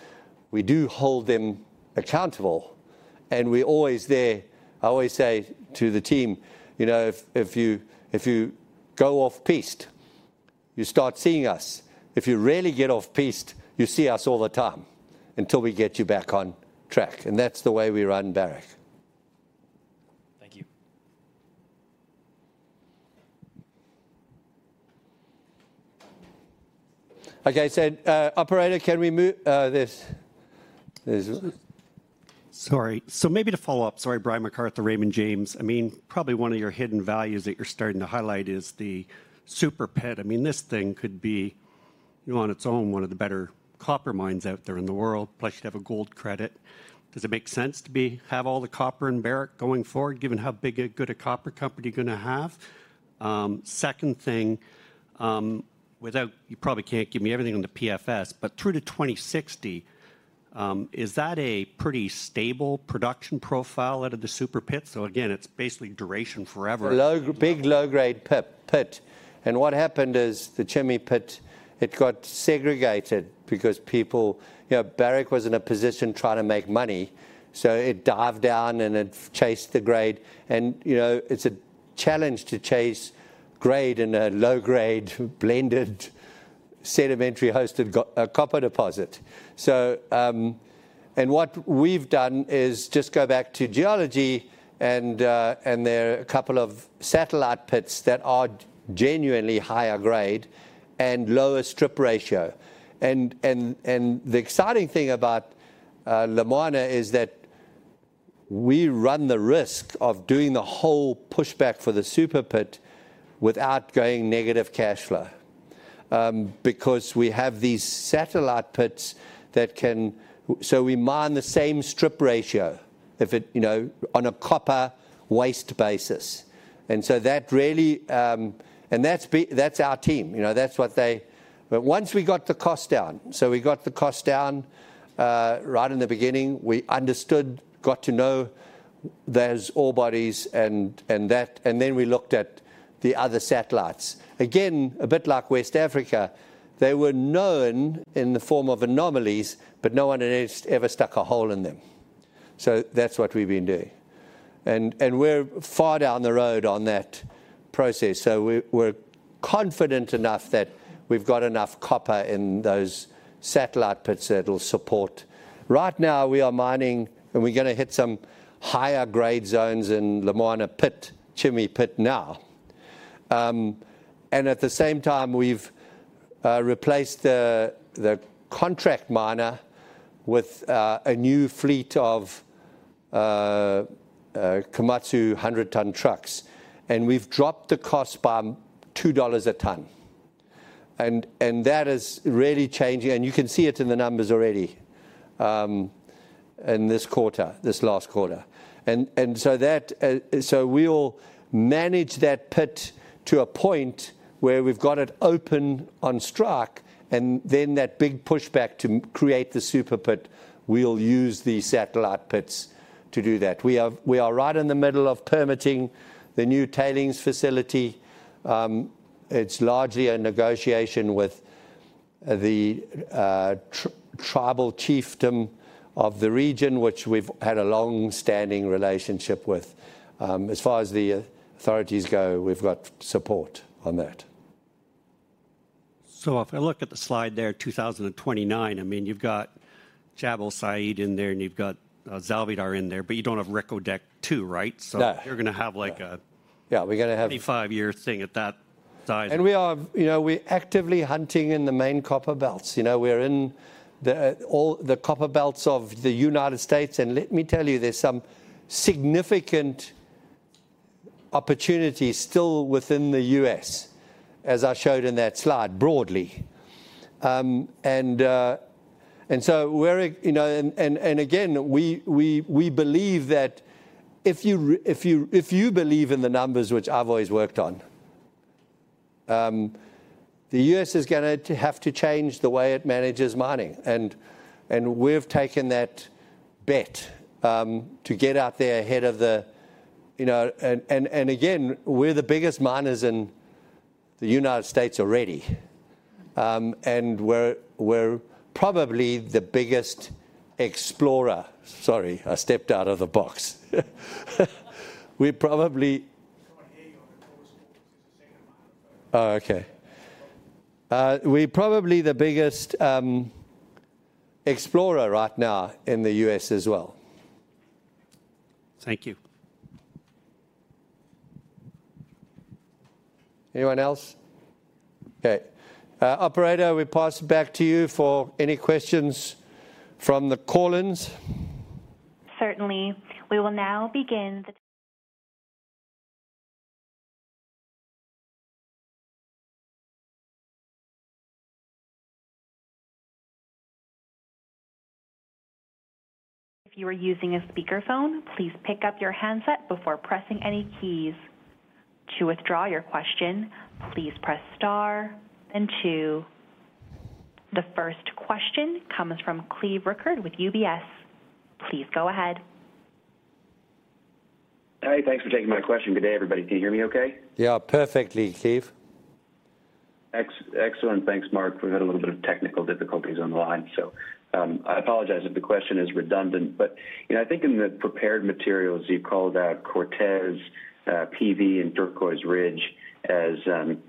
We do hold them accountable, and we're always there. I always say to the team, "You know, if, if you, if you go off-piste, you start seeing us. If you really get off-piste, you see us all the time until we get you back on track." That's the way we run Barrick. Thank you. Like I said, operator, can we this... Sorry. Maybe to follow up. Sorry, Brian MacArthur, Raymond James. I mean, probably one of your hidden values that you're starting to highlight is the super pit. I mean, this thing could be, you know, on its own, one of the better copper mines out there in the world, plus you have a gold credit. Does it make sense to have all the copper in Barrick going forward, given how big a, good a copper company you're gonna have? Second thing, without... You probably can't give me everything on the PFS, but through to 2060, is that a pretty stable production profile out of the super pit? Again, it's basically duration forever. Low, big, low-grade pit. What happened is, the chimney pit, it got segregated because You know, Barrick was in a position trying to make money, so it dived down and it chased the grade. You know, it's a challenge to chase grade in a low-grade, blended, sedimentary-hosted copper deposit. So. What we've done is just go back to geology, and there are a couple of satellite pits that are genuinely higher grade and lower strip ratio. The exciting thing about Lumwana is that we run the risk of doing the whole pushback for the super pit without going negative cash flow. Because we have these satellite pits that can so we mine the same strip ratio, if it, you know, on a copper waste basis. That really, and that's our team, you know, that's what they. Once we got the cost down, so we got the cost down right in the beginning. We understood, got to know those ore bodies and, and that, and then we looked at the other satellites. Again, a bit like West Africa, they were known in the form of anomalies, but no one had ever stuck a hole in them. That's what we've been doing. We're far down the road on that process, so we're, we're confident enough that we've got enough copper in those satellite pits that will support. Right now, we are mining, and we're gonna hit some higher grade zones in the Lumwana pit, Chimiwungo pit now. At the same time, we've replaced the contract miner with a new fleet of Komatsu 100 ton trucks, and we've dropped the cost by $2 a ton. That is really changing, and you can see it in the numbers already, in this quarter, this last quarter. We'll manage that pit to a point where we've got it open on strike, and then that big pushback to create the super pit, we'll use the satellite pits to do that. We are, we are right in the middle of permitting the new tailings facility. It's largely a negotiation with the tribal chiefdom of the region, which we've had a long-standing relationship with. As far as the authorities go, we've got support on that. If I look at the slide there, 2029, I mean, you've got Jabal Sayid in there, and you've got Zalbidar in there, but you don't have Reko Diq too, right? Yeah. You're gonna have, like. Yeah, we're gonna have. 85-year thing at that time. We are, you know, we're actively hunting in the main copper belts. You know, we're in all the copper belts of the United States, and let me tell you, there's some significant opportunities still within the U.S., as I showed in that slide, broadly. So we're, you know... Again, we, we, we believe that if you, if you, if you believe in the numbers, which I've always worked on, the U.S. is gonna have to change the way it manages mining. We've taken that bet to get out there ahead of the, you know... Again, we're the biggest miners in the United States already. We're, we're probably the biggest explorer. Sorry, I stepped out of the box. We're probably. We can't hear you on the phone. Oh, okay. We're probably the biggest explorer right now in the U.S. as well. Thank you. Anyone else? Okay. Operator, we pass it back to you for any questions from the call-ins. Certainly. We will now begin. If you are using a speakerphone, please pick up your handset before pressing any keys. To withdraw your question, please press star and two. The first question comes from Cleve Rickard with UBS. Please go ahead. Hey, thanks for taking my question. Good day, everybody. Can you hear me okay? Yeah, perfectly, Cleve. Excellent. Thanks, Mark. We've had a little bit of technical difficulties on the line, I apologize if the question is redundant, you know, I think in the prepared materials, you called out Cortez, PV, and Turquoise Ridge as, you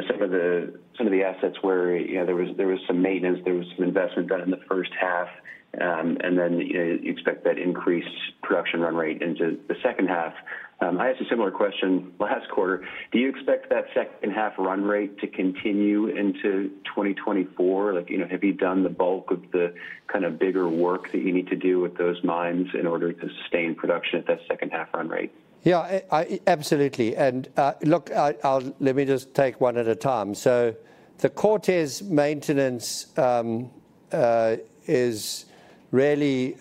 know, some of the, some of the assets where, you know, there was, there was some maintenance, there was some investment done in the first half, and then, you know, you expect that increased production run rate into the second half. I asked a similar question last quarter. Do you expect that second half run rate to continue into 2024? Like, you know, have you done the bulk of the kind of bigger work that you need to do with those mines in order to sustain production at that second half run rate? Yeah, I, I... Absolutely. Look, let me just take one at a time. The Cortez maintenance is really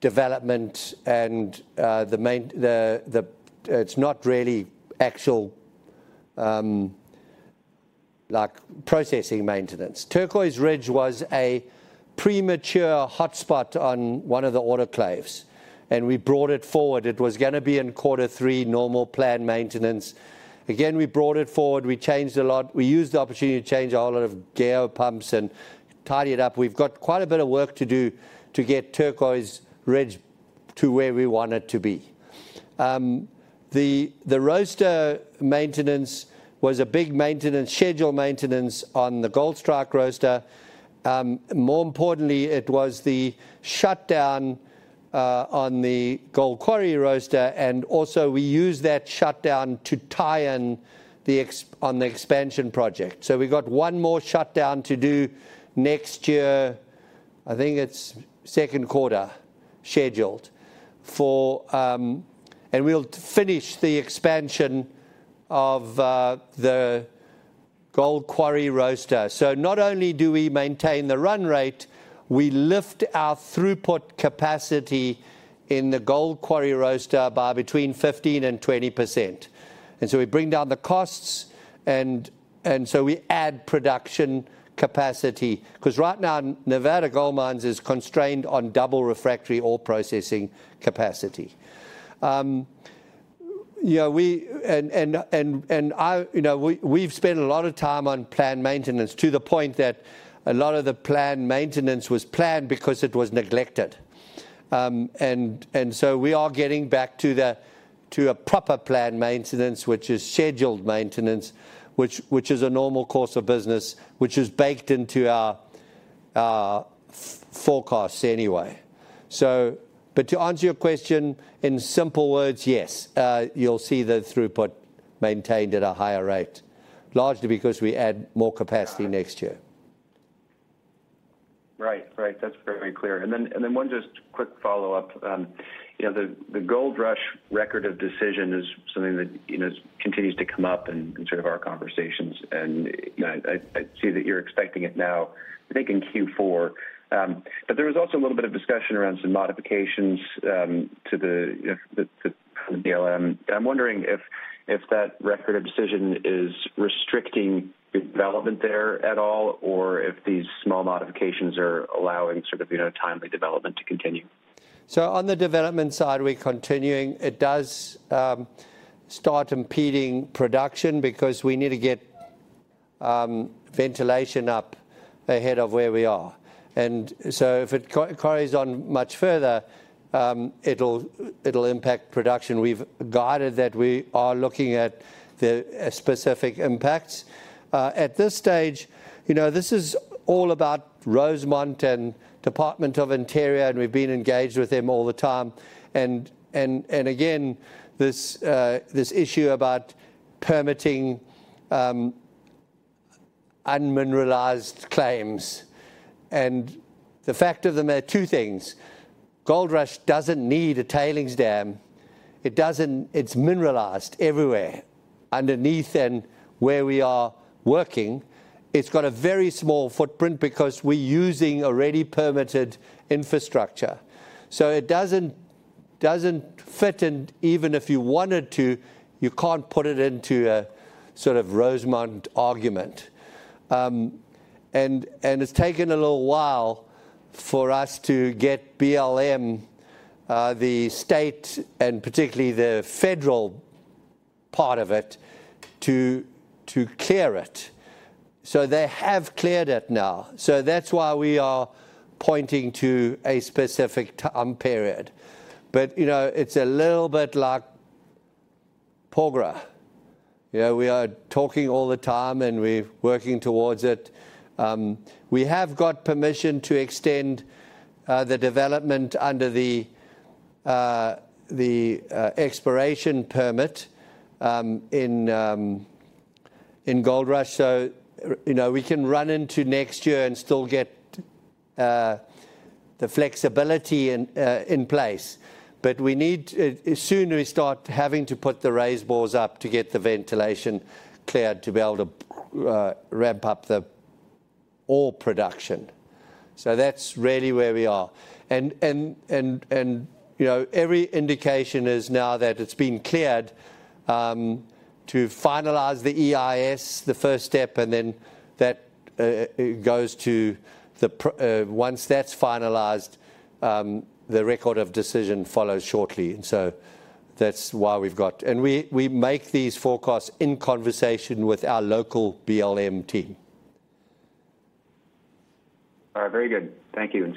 development and the main... the, the, it's not really actual, like, processing maintenance. Turquoise Ridge was a premature hotspot on one of the autoclaves, and we brought it forward. It was going to be in Q3, normal planned maintenance. Again, we brought it forward, we changed a lot. We used the opportunity to change a whole lot of gear pumps and tidy it up. We've got quite a bit of work to do to get Turquoise Ridge to where we want it to be. The, the roaster maintenance was a big maintenance, scheduled maintenance on the Goldstrike roaster. More importantly, it was the shutdown on the gold quarry roaster, and also, we used that shutdown to tie in on the expansion project. We've got one more shutdown to do next year. I think it's second quarter scheduled for, and we'll finish the expansion of the gold quarry roaster. Not only do we maintain the run rate, we lift our throughput capacity in the gold quarry roaster by between 15% and 20%. We bring down the costs, and so we add production capacity. Because right now, Nevada Gold Mines is constrained on double refractory ore processing capacity. You know, we've spent a lot of time on planned maintenance, to the point that a lot of the planned maintenance was planned because it was neglected. We are getting back to a proper planned maintenance, which is scheduled maintenance, which is a normal course of business, which is baked into our forecasts anyway. To answer your question, in simple words, yes, you'll see the throughput maintained at a higher rate, largely because we add more capacity next year. Right. Right, that's very clear. Then, and then 1 just quick follow-up. you know, the, the Gold Rush record of decision is something that, you know, continues to come up in, in sort of our conversations, and, you know, I, I see that you're expecting it now, I think in Q4. There was also a little bit of discussion around some modifications, to the, the, the BLM. I'm wondering if, if that record of decision is restricting development there at all, or if these small modifications are allowing sort of, you know, timely development to continue? On the development side, we're continuing. It does start impeding production because we need to get ventilation up ahead of where we are. If it co-carries on much further, it'll, it'll impact production. We've guided that we are looking at the specific impacts. At this stage, you know, this is all about Rosemont and Department of Interior, we've been engaged with them all the time. Again, this issue about permitting unmineralized claims. The fact of the matter, two things: Gold Rush doesn't need a tailings dam. It doesn't. It's mineralized everywhere, underneath and where we are working. It's got a very small footprint because we're using already permitted infrastructure. It doesn't, doesn't fit, and even if you wanted to, you can't put it into a sort of Rosemont argument. It's taken a little while for us to get BLM, the state, and particularly the federal part of it, to clear it. They have cleared it now. That's why we are pointing to a specific time period. You know, it's a little bit like Porgera. You know, we are talking all the time, and we're working towards it. We have got permission to extend the development under the exploration permit in Gold Rush. You know, we can run into next year and still get the flexibility in place. We need. The sooner we start having to put the raise bores up to get the ventilation cleared, to be able to ramp up the ore production. That's really where we are. You know, every indication is now that it's been cleared to finalize the EIS, the first step, and then that it goes to the. Once that's finalized, the record of decision follows shortly. So that's why we've. We, we make these forecasts in conversation with our local BLM team. All right, very good. Thank you, and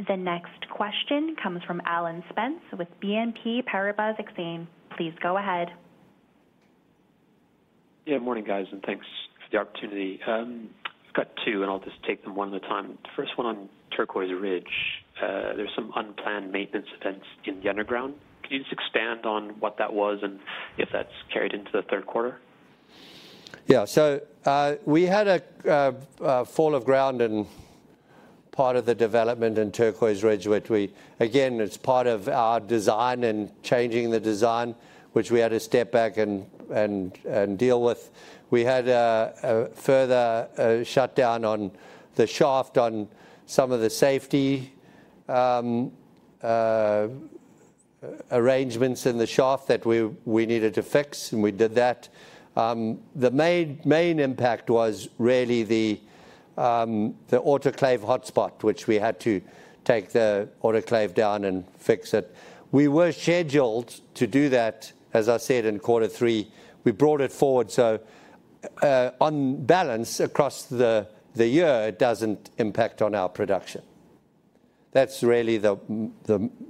thanks for the opportunity. The next question comes from Alan Spence with BNP Paribas Exane. Please go ahead. Yeah, morning, guys, and thanks for the opportunity. I've got two, and I'll just take them one at a time. The first one on Turquoise Ridge. There's some unplanned maintenance events in the underground. Can you just expand on what that was and if that's carried into the third quarter? Yeah. We had a fall of ground in part of the development in Turquoise Ridge, which we-- Again, it's part of our design and changing the design, which we had to step back and deal with. We had a further shutdown on the shaft on some of the safety arrangements in the shaft that we needed to fix, and we did that. The main, main impact was really the autoclave hotspot, which we had to take the autoclave down and fix it. We were scheduled to do that, as I said, in quarter three. We brought it forward. On balance across the year, it doesn't impact on our production. That's really the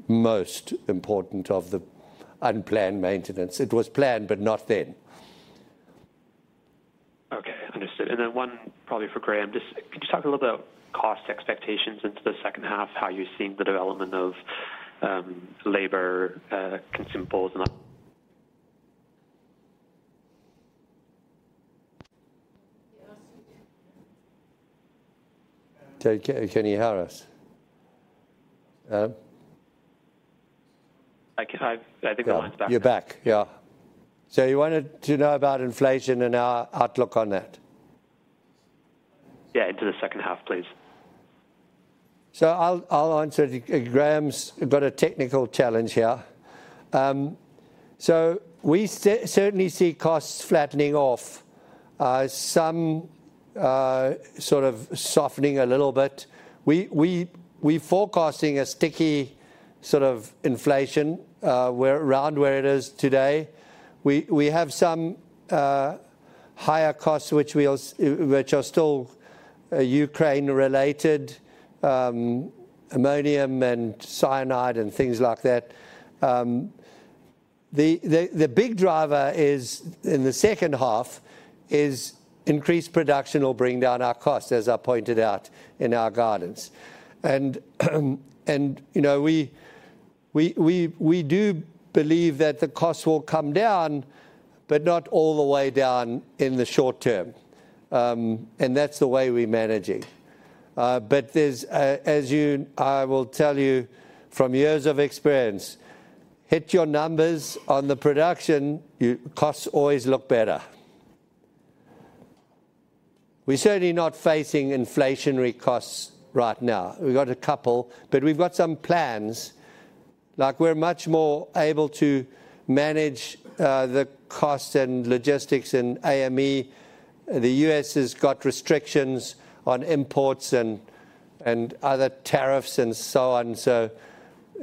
most important of the unplanned maintenance. It was planned, not then. Okay, understood. Then one probably for Graham. Just could you talk a little about cost expectations into the second half, how you're seeing the development of, labor, consumables, and other... Can, can, can you hear us? I think the line's back. You're back. Yeah. You wanted to know about inflation and our outlook on that? Yeah, into the second half, please. I'll, I'll answer. Graham's got a technical challenge here. We certainly see costs flattening off, some sort of softening a little bit. We, we, we're forecasting a sticky sort of inflation, where, around where it is today. We, we have some higher costs, which we also, which are still Ukraine-related, ammonium and cyanide and things like that. The, the, the big driver is, in the second half, is increased production will bring down our costs, as I pointed out in our guidance. You know, we, we, we, we do believe that the costs will come down, but not all the way down in the short term. That's the way we manage it. There's. I will tell you from years of experience, hit your numbers on the production, your costs always look better. We're certainly not facing inflationary costs right now. We've got a couple, but we've got some plans. Like, we're much more able to manage the cost and logistics and AME. The U.S. has got restrictions on imports and other tariffs and so on.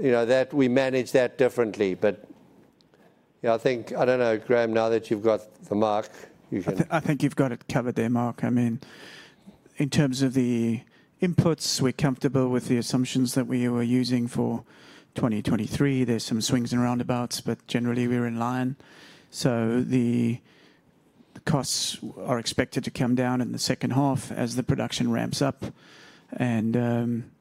You know, that, we manage that differently. You know, I think, I don't know, Graham, now that you've got the Mark, you can. I think, I think you've got it covered there, Mark. I mean, in terms of the inputs, we're comfortable with the assumptions that we were using for 2023. There's some swings and roundabouts, but generally we're in line. The costs are expected to come down in the second half as the production ramps up.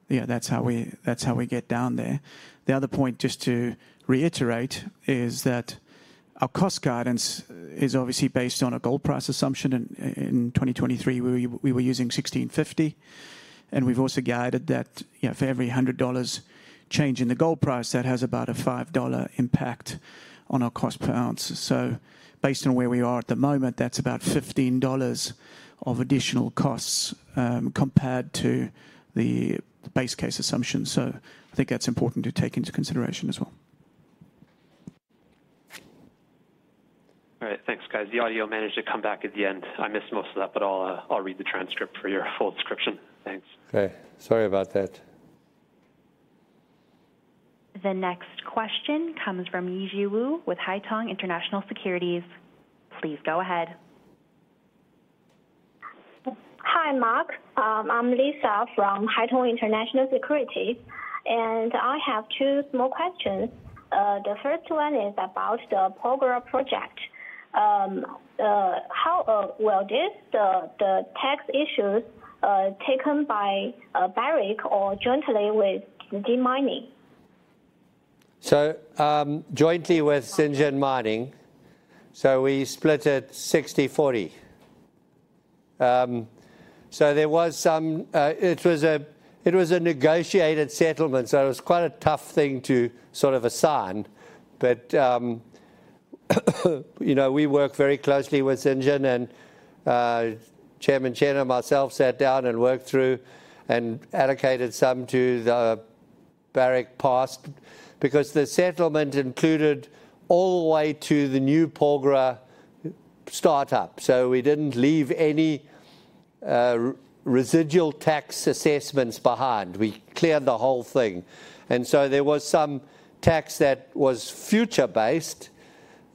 Yeah, that's how we, that's how we get down there. The other point, just to reiterate, is that our cost guidance is obviously based on a gold price assumption. In 2023, we, we were using $1,650, and we've also guided that, you know, for every $100 change in the gold price, that has about a $5 impact on our cost per ounce. Based on where we are at the moment, that's about $15 of additional costs compared to the base case assumption. I think that's important to take into consideration as well. All right. Thanks, guys. The audio managed to come back at the end. I missed most of that. I'll read the transcript for your full description. Thanks. Okay. Sorry about that. The next question comes from Lici Wu with Haitong International Securities. Please go ahead. Hi, Mark. I'm Lici from Haitong International Securities, and I have two small questions. The first one is about the Porgera project. How, well, this, the tax issues taken by Barrick or jointly with Zijin Mining? Jointly with Zijin Mining. We split it 60/40. There was some, it was a, it was a negotiated settlement, so it was quite a tough thing to sort of assign. You know, we work very closely with Zijin, and Chairman Chen and myself sat down and worked through and allocated some to the Barrick past. The settlement included all the way to the new Porgera startup. We didn't leave any residual tax assessments behind. We cleared the whole thing. There was some tax that was future-based,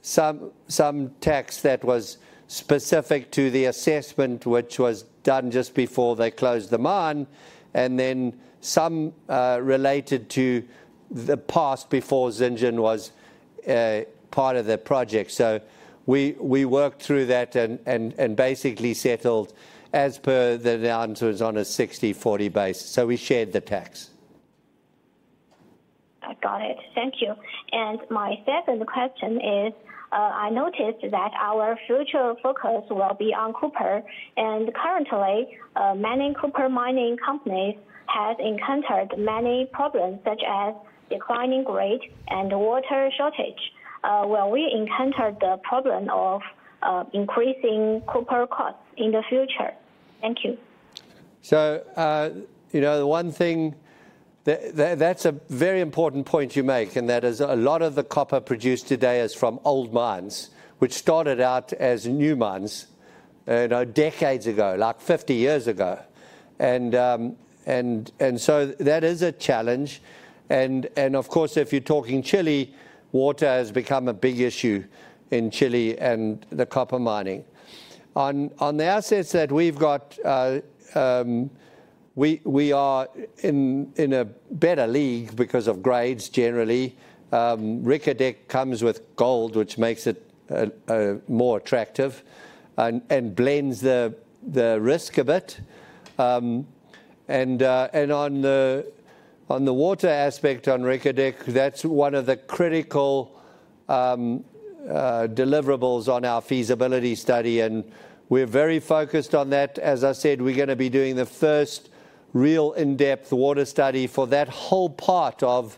some, some tax that was specific to the assessment, which was done just before they closed the mine, and then some related to the past before Zijin was part of the project. We, we worked through that basically settled as per the down to it was on a 60/40 base. We shared the tax. I got it. Thank you. My second question is, I noticed that our future focus will be on copper, and currently, many copper mining companies have encountered many problems, such as declining rate and water shortage. Will we encounter the problem of increasing copper costs in the future? Thank you. You know, one thing, that's a very important point you make, and that is a lot of the copper produced today is from old mines, which started out as new mines, you know, decades ago, like 50 years ago. That is a challenge. Of course, if you're talking Chile, water has become a big issue in Chile and the copper mining. On the assets that we've got, we are in a better league because of grades generally. Reko Diq comes with gold, which makes it more attractive and blends the risk a bit. On the water aspect on Reko Diq, that's one of the critical deliverables on our feasibility study, we're very focused on that. As I said, we're gonna be doing the first real in-depth water study for that whole part of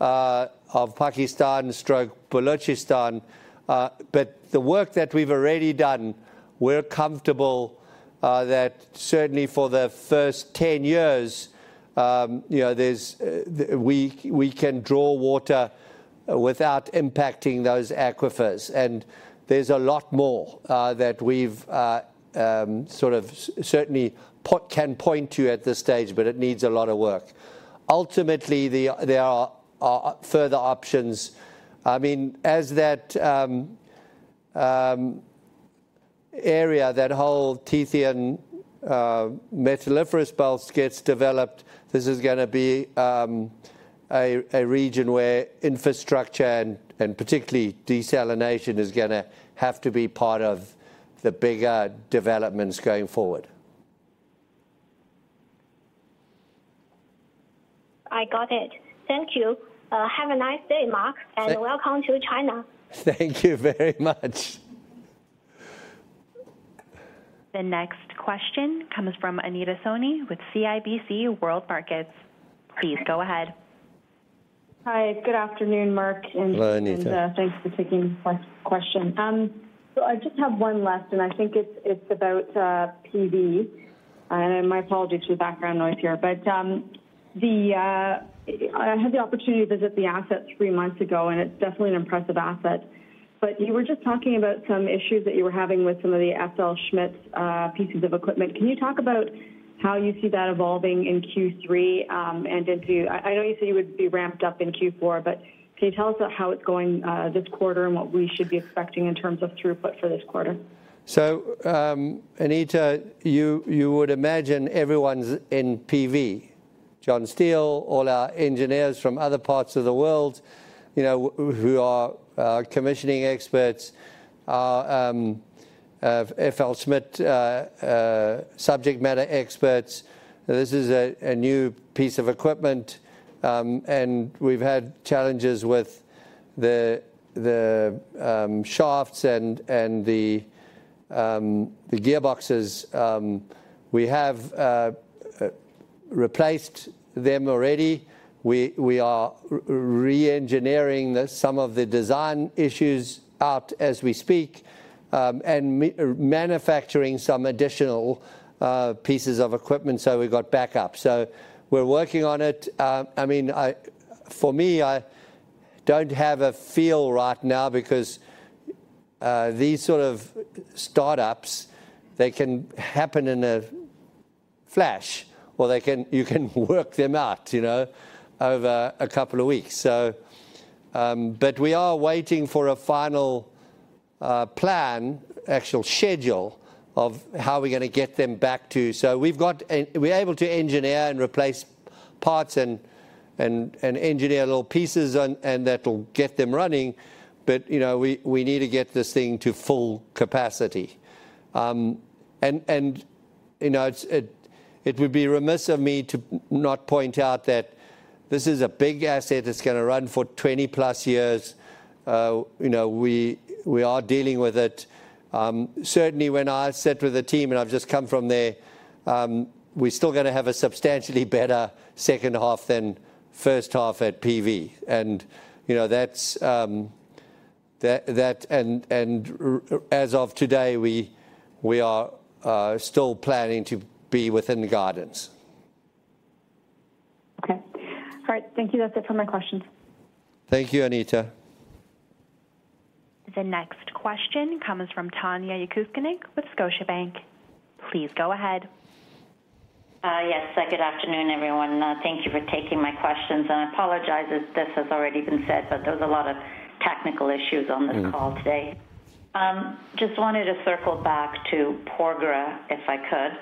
Pakistan/Balochistan. The work that we've already done, we're comfortable that certainly for the first 10 years, you know, there's the we, we can draw water without impacting those aquifers. There's a lot more that we've sort of certainly po can point to at this stage, but it needs a lot of work. Ultimately, the, there are, are further options. I mean, as that area, that whole Tethyan metalliferous belt gets developed, this is gonna be a region where infrastructure and, and particularly desalination, is gonna have to be part of the bigger developments going forward. I got it. Thank you. Have a nice day, Mark. Tha- Welcome to China. Thank you very much. The next question comes from Anita Soni with CIBC World Markets. Please go ahead. Hi. Good afternoon, Mark, and- Hi, Anita. Thanks for taking my question. I just have one last, and I think it's, it's about PV. My apologies for the background noise here. The I had the opportunity to visit the asset three months ago, and it's definitely an impressive asset. You were just talking about some issues that you were having with some of the FL Smith pieces of equipment. Can you talk about how you see that evolving in Q3 and into... I, I know you said you would be ramped up in Q4, but can you tell us about how it's going this quarter and what we should be expecting in terms of throughput for this quarter? Anita, you, you would imagine everyone's in PV. John Steele, all our engineers from other parts of the world, you know, who are commissioning experts, our FL Smith subject matter experts. This is a new piece of equipment, and we've had challenges with the shafts and the gearboxes. We have replaced them already. We are reengineering the some of the design issues out as we speak, and manufacturing some additional pieces of equipment, so we've got backup. We're working on it. I mean, for me, I don't have a feel right now because these sort of startups, they can happen in a flash or they can, you can work them out, you know, over a couple of weeks. But we are waiting for a final plan, actual schedule, of how we're gonna get them back to... We've got we're able to engineer and replace parts and engineer little pieces and that'll get them running, but, you know, we need to get this thing to full capacity. You know, it's, it, it would be remiss of me to not point out that this is a big asset that's gonna run for 20-plus years. You know, we are dealing with it. Certainly when I sit with the team, and I've just come from there, we're still gonna have a substantially better second half than first half at PV. You know, that's as of today, we are still planning to be within the guidance. Okay. All right. Thank you. That's it for my questions. Thank you, Anita. The next question comes from Tanya Jakusconek with Scotiabank. Please go ahead. Yes. Good afternoon, everyone. Thank you for taking my questions. I apologize if this has already been said, but there's a lot of technical issues on this- Mm... call today. Just wanted to circle back to Porgera, if I could.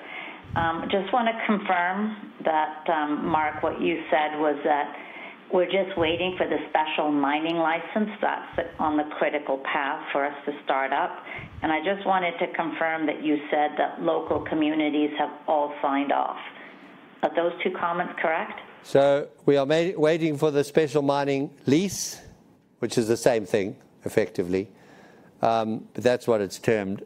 Just wanna confirm that Mark, what you said was that we're just waiting for the special mining license that's on the critical path for us to start up. I just wanted to confirm that you said that local communities have all signed off. Are those two comments correct? We are waiting for the special mining lease, which is the same thing, effectively. That's what it's termed.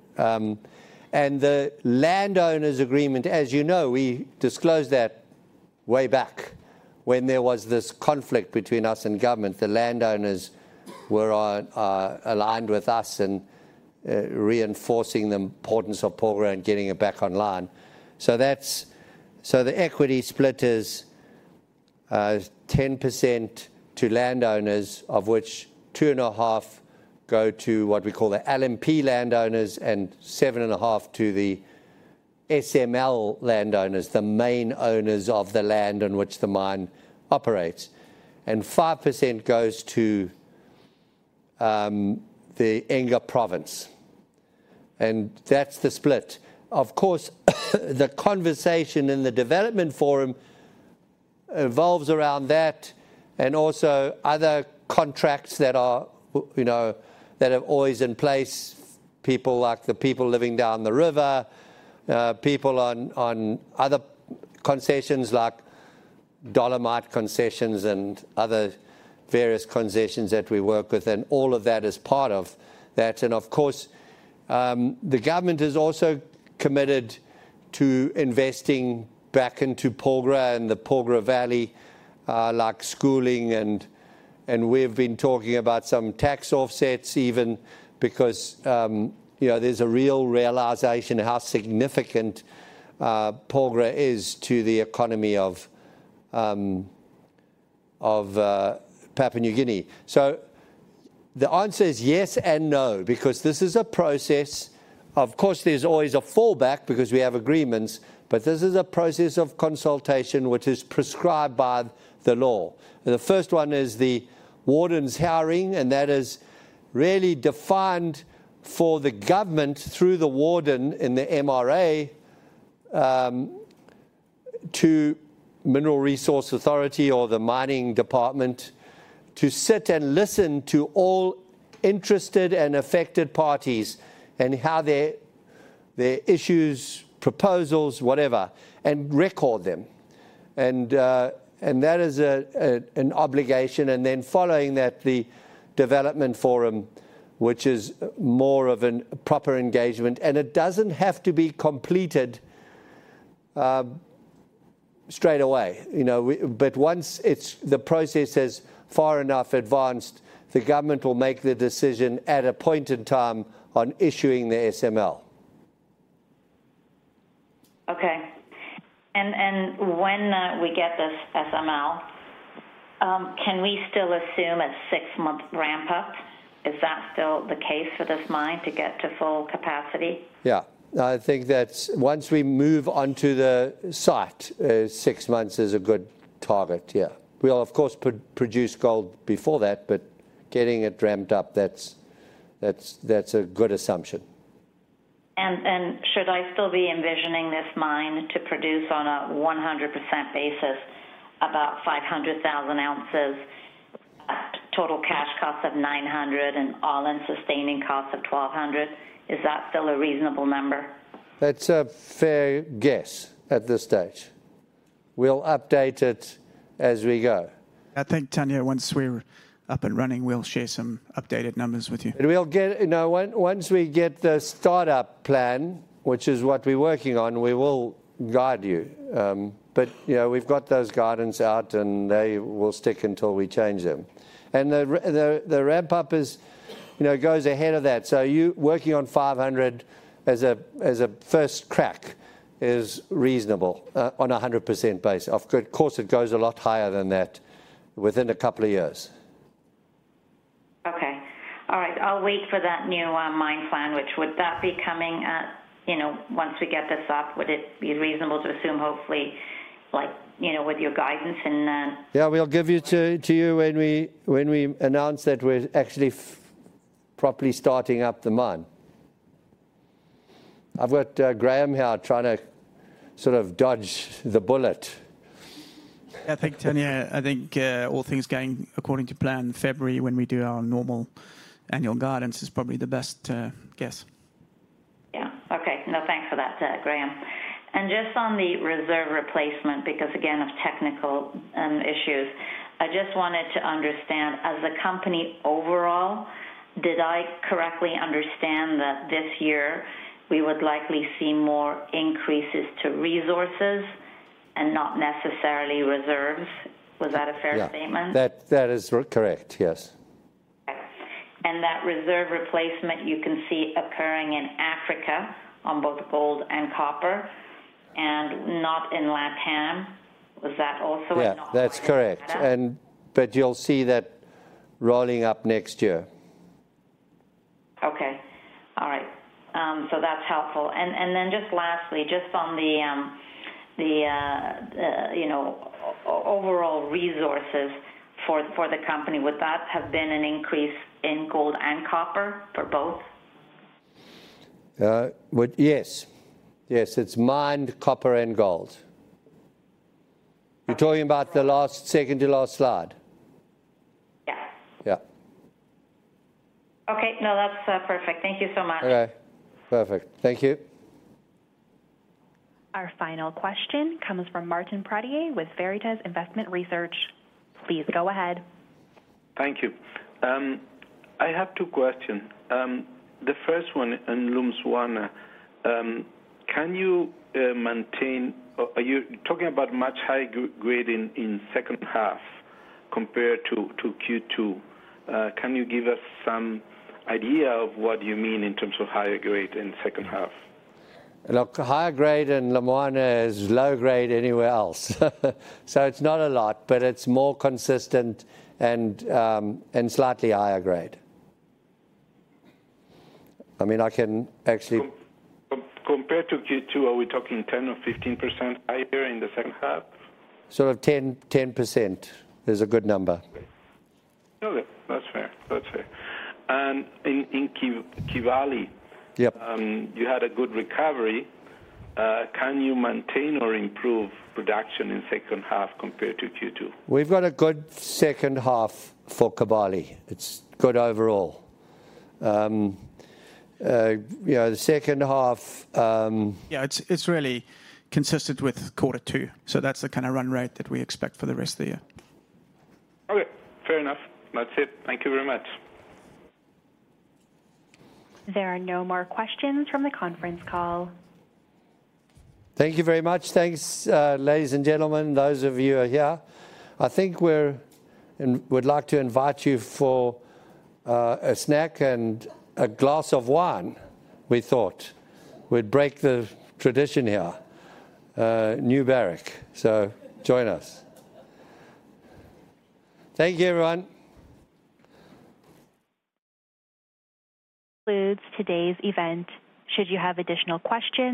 The landowner's agreement, as you know, we disclosed that way back when there was this conflict between us and government. The landowners were on, aligned with us and reinforcing the importance of Porgera and getting it back online. The equity split is 10% to landowners, of which 2.5 go to what we call the LMP landowners and 7.5 to the SML landowners, the main owners of the land on which the mine operates. 5% goes to the Enga Province, and that's the split. Of course, the conversation in the development forum revolves around that and also other contracts that are, you know, that are always in place. people like the people living down the river, people on, on other concessions like dolomite concessions and other various concessions that we work with, and all of that is part of that. Of course, the government is also committed to investing back into Porgera and the Porgera Valley, like schooling and, and we've been talking about some tax offsets even because, you know, there's a real realization of how significant Porgera is to the economy of Papua New Guinea. The answer is yes and no, because this is a process. Of course, there's always a fallback because we have agreements, this is a process of consultation which is prescribed by the law. The first one is the warden's hearing, that is really defined for the government through the warden in the MRA, to Mineral Resource Authority or the mining department, to sit and listen to all interested and affected parties and how their, their issues, proposals, whatever, and record them. That is a, a, an obligation. Then following that, the development forum, which is more of an proper engagement. It doesn't have to be completed, straight away, you know, once it's, the process has far enough advanced, the government will make the decision at a point in time on issuing the SML. Okay. And when we get this SML, can we still assume a six month ramp-up? Is that still the case for this mine to get to full capacity? Yeah. Once we move onto the site, six months is a good target, yeah. We'll, of course, produce gold before that, but getting it ramped up, that's, that's, that's a good assumption. Should I still be envisioning this mine to produce on a 100% basis, about 500,000 ounces, total cash cost of $900 and all-in sustaining cost of $1,200? Is that still a reasonable number? That's a fair guess at this stage. We'll update it as we go. I think, Tanya, once we're up and running, we'll share some updated numbers with you. We'll get. You know, once we get the startup plan, which is what we're working on, we will guide you. You know, we've got those guidelines out, and they will stick until we change them. The ramp-up is, you know, goes ahead of that. You working on 500 as a, as a first crack is reasonable on a 100% basis. Of course, it goes a lot higher than that within a couple of years. Okay. All right. I'll wait for that new mine plan, which would that be coming at, you know, once we get this up, would it be reasonable to assume, hopefully, like, you know, with your guidance and... Yeah, we'll give it to, to you when we, when we announce that we're actually properly starting up the mine. I've got Graham here trying to sort of dodge the bullet. I think, Tanya, I think, all things going according to plan, February, when we do our normal annual guidance, is probably the best guess. Yeah. Okay. No, thanks for that, Graham. Just on the reserve replacement, because, again, of technical issues, I just wanted to understand, as a company overall, did I correctly understand that this year we would likely see more increases to resources and not necessarily reserves? Was that a fair statement? Yeah. That, that is correct. Yes. That reserve replacement you can see occurring in Africa on both gold and copper and not in LATAM. Was that also? Yeah, that's correct. Okay. But you'll see that rolling up next year. Okay. All right. so that's helpful. Then just lastly, just on the, you know, overall resources for, for the company, would that have been an increase in gold and copper for both? Yes. Yes, it's mined copper and gold. Okay. You're talking about the last, second to last slide? Yes. Yeah. Okay. No, that's perfect. Thank you so much. All right. Perfect. Thank you. Our final question comes from Martin Pradier with Veritas Investment Research. Please go ahead. Thank you. I have two questions. The first one on Lumwana. Can you maintain-- Or are you talking about much higher grade in second half compared to Q2? Can you give us some idea of what you mean in terms of higher grade in second half? Look, higher grade in Lumwana is low grade anywhere else. It's not a lot, but it's more consistent and slightly higher grade. I mean, I can actually- Comorbidities to Q2, are we talking 10% or 15% higher in the second half? Sort of 10, 10% is a good number. Okay. That's fair. That's fair. In Kibali. Yep. You had a good recovery. Can you maintain or improve production in second half compared to Q2? We've got a good second half for Kibali. It's good overall. You know, the second half. Yeah, it's, it's really consistent with quarter two, so that's the kind of run rate that we expect for the rest of the year. Okay, fair enough. That's it. Thank you very much. There are no more questions from the conference call. Thank you very much. Thanks, ladies and gentlemen, those of you who are here. I think we're, and would like to invite you for a snack and a glass of wine. We thought we'd break the tradition here, new Barrick. Join us. Thank you, everyone. Concludes today's event. Should you have additional questions-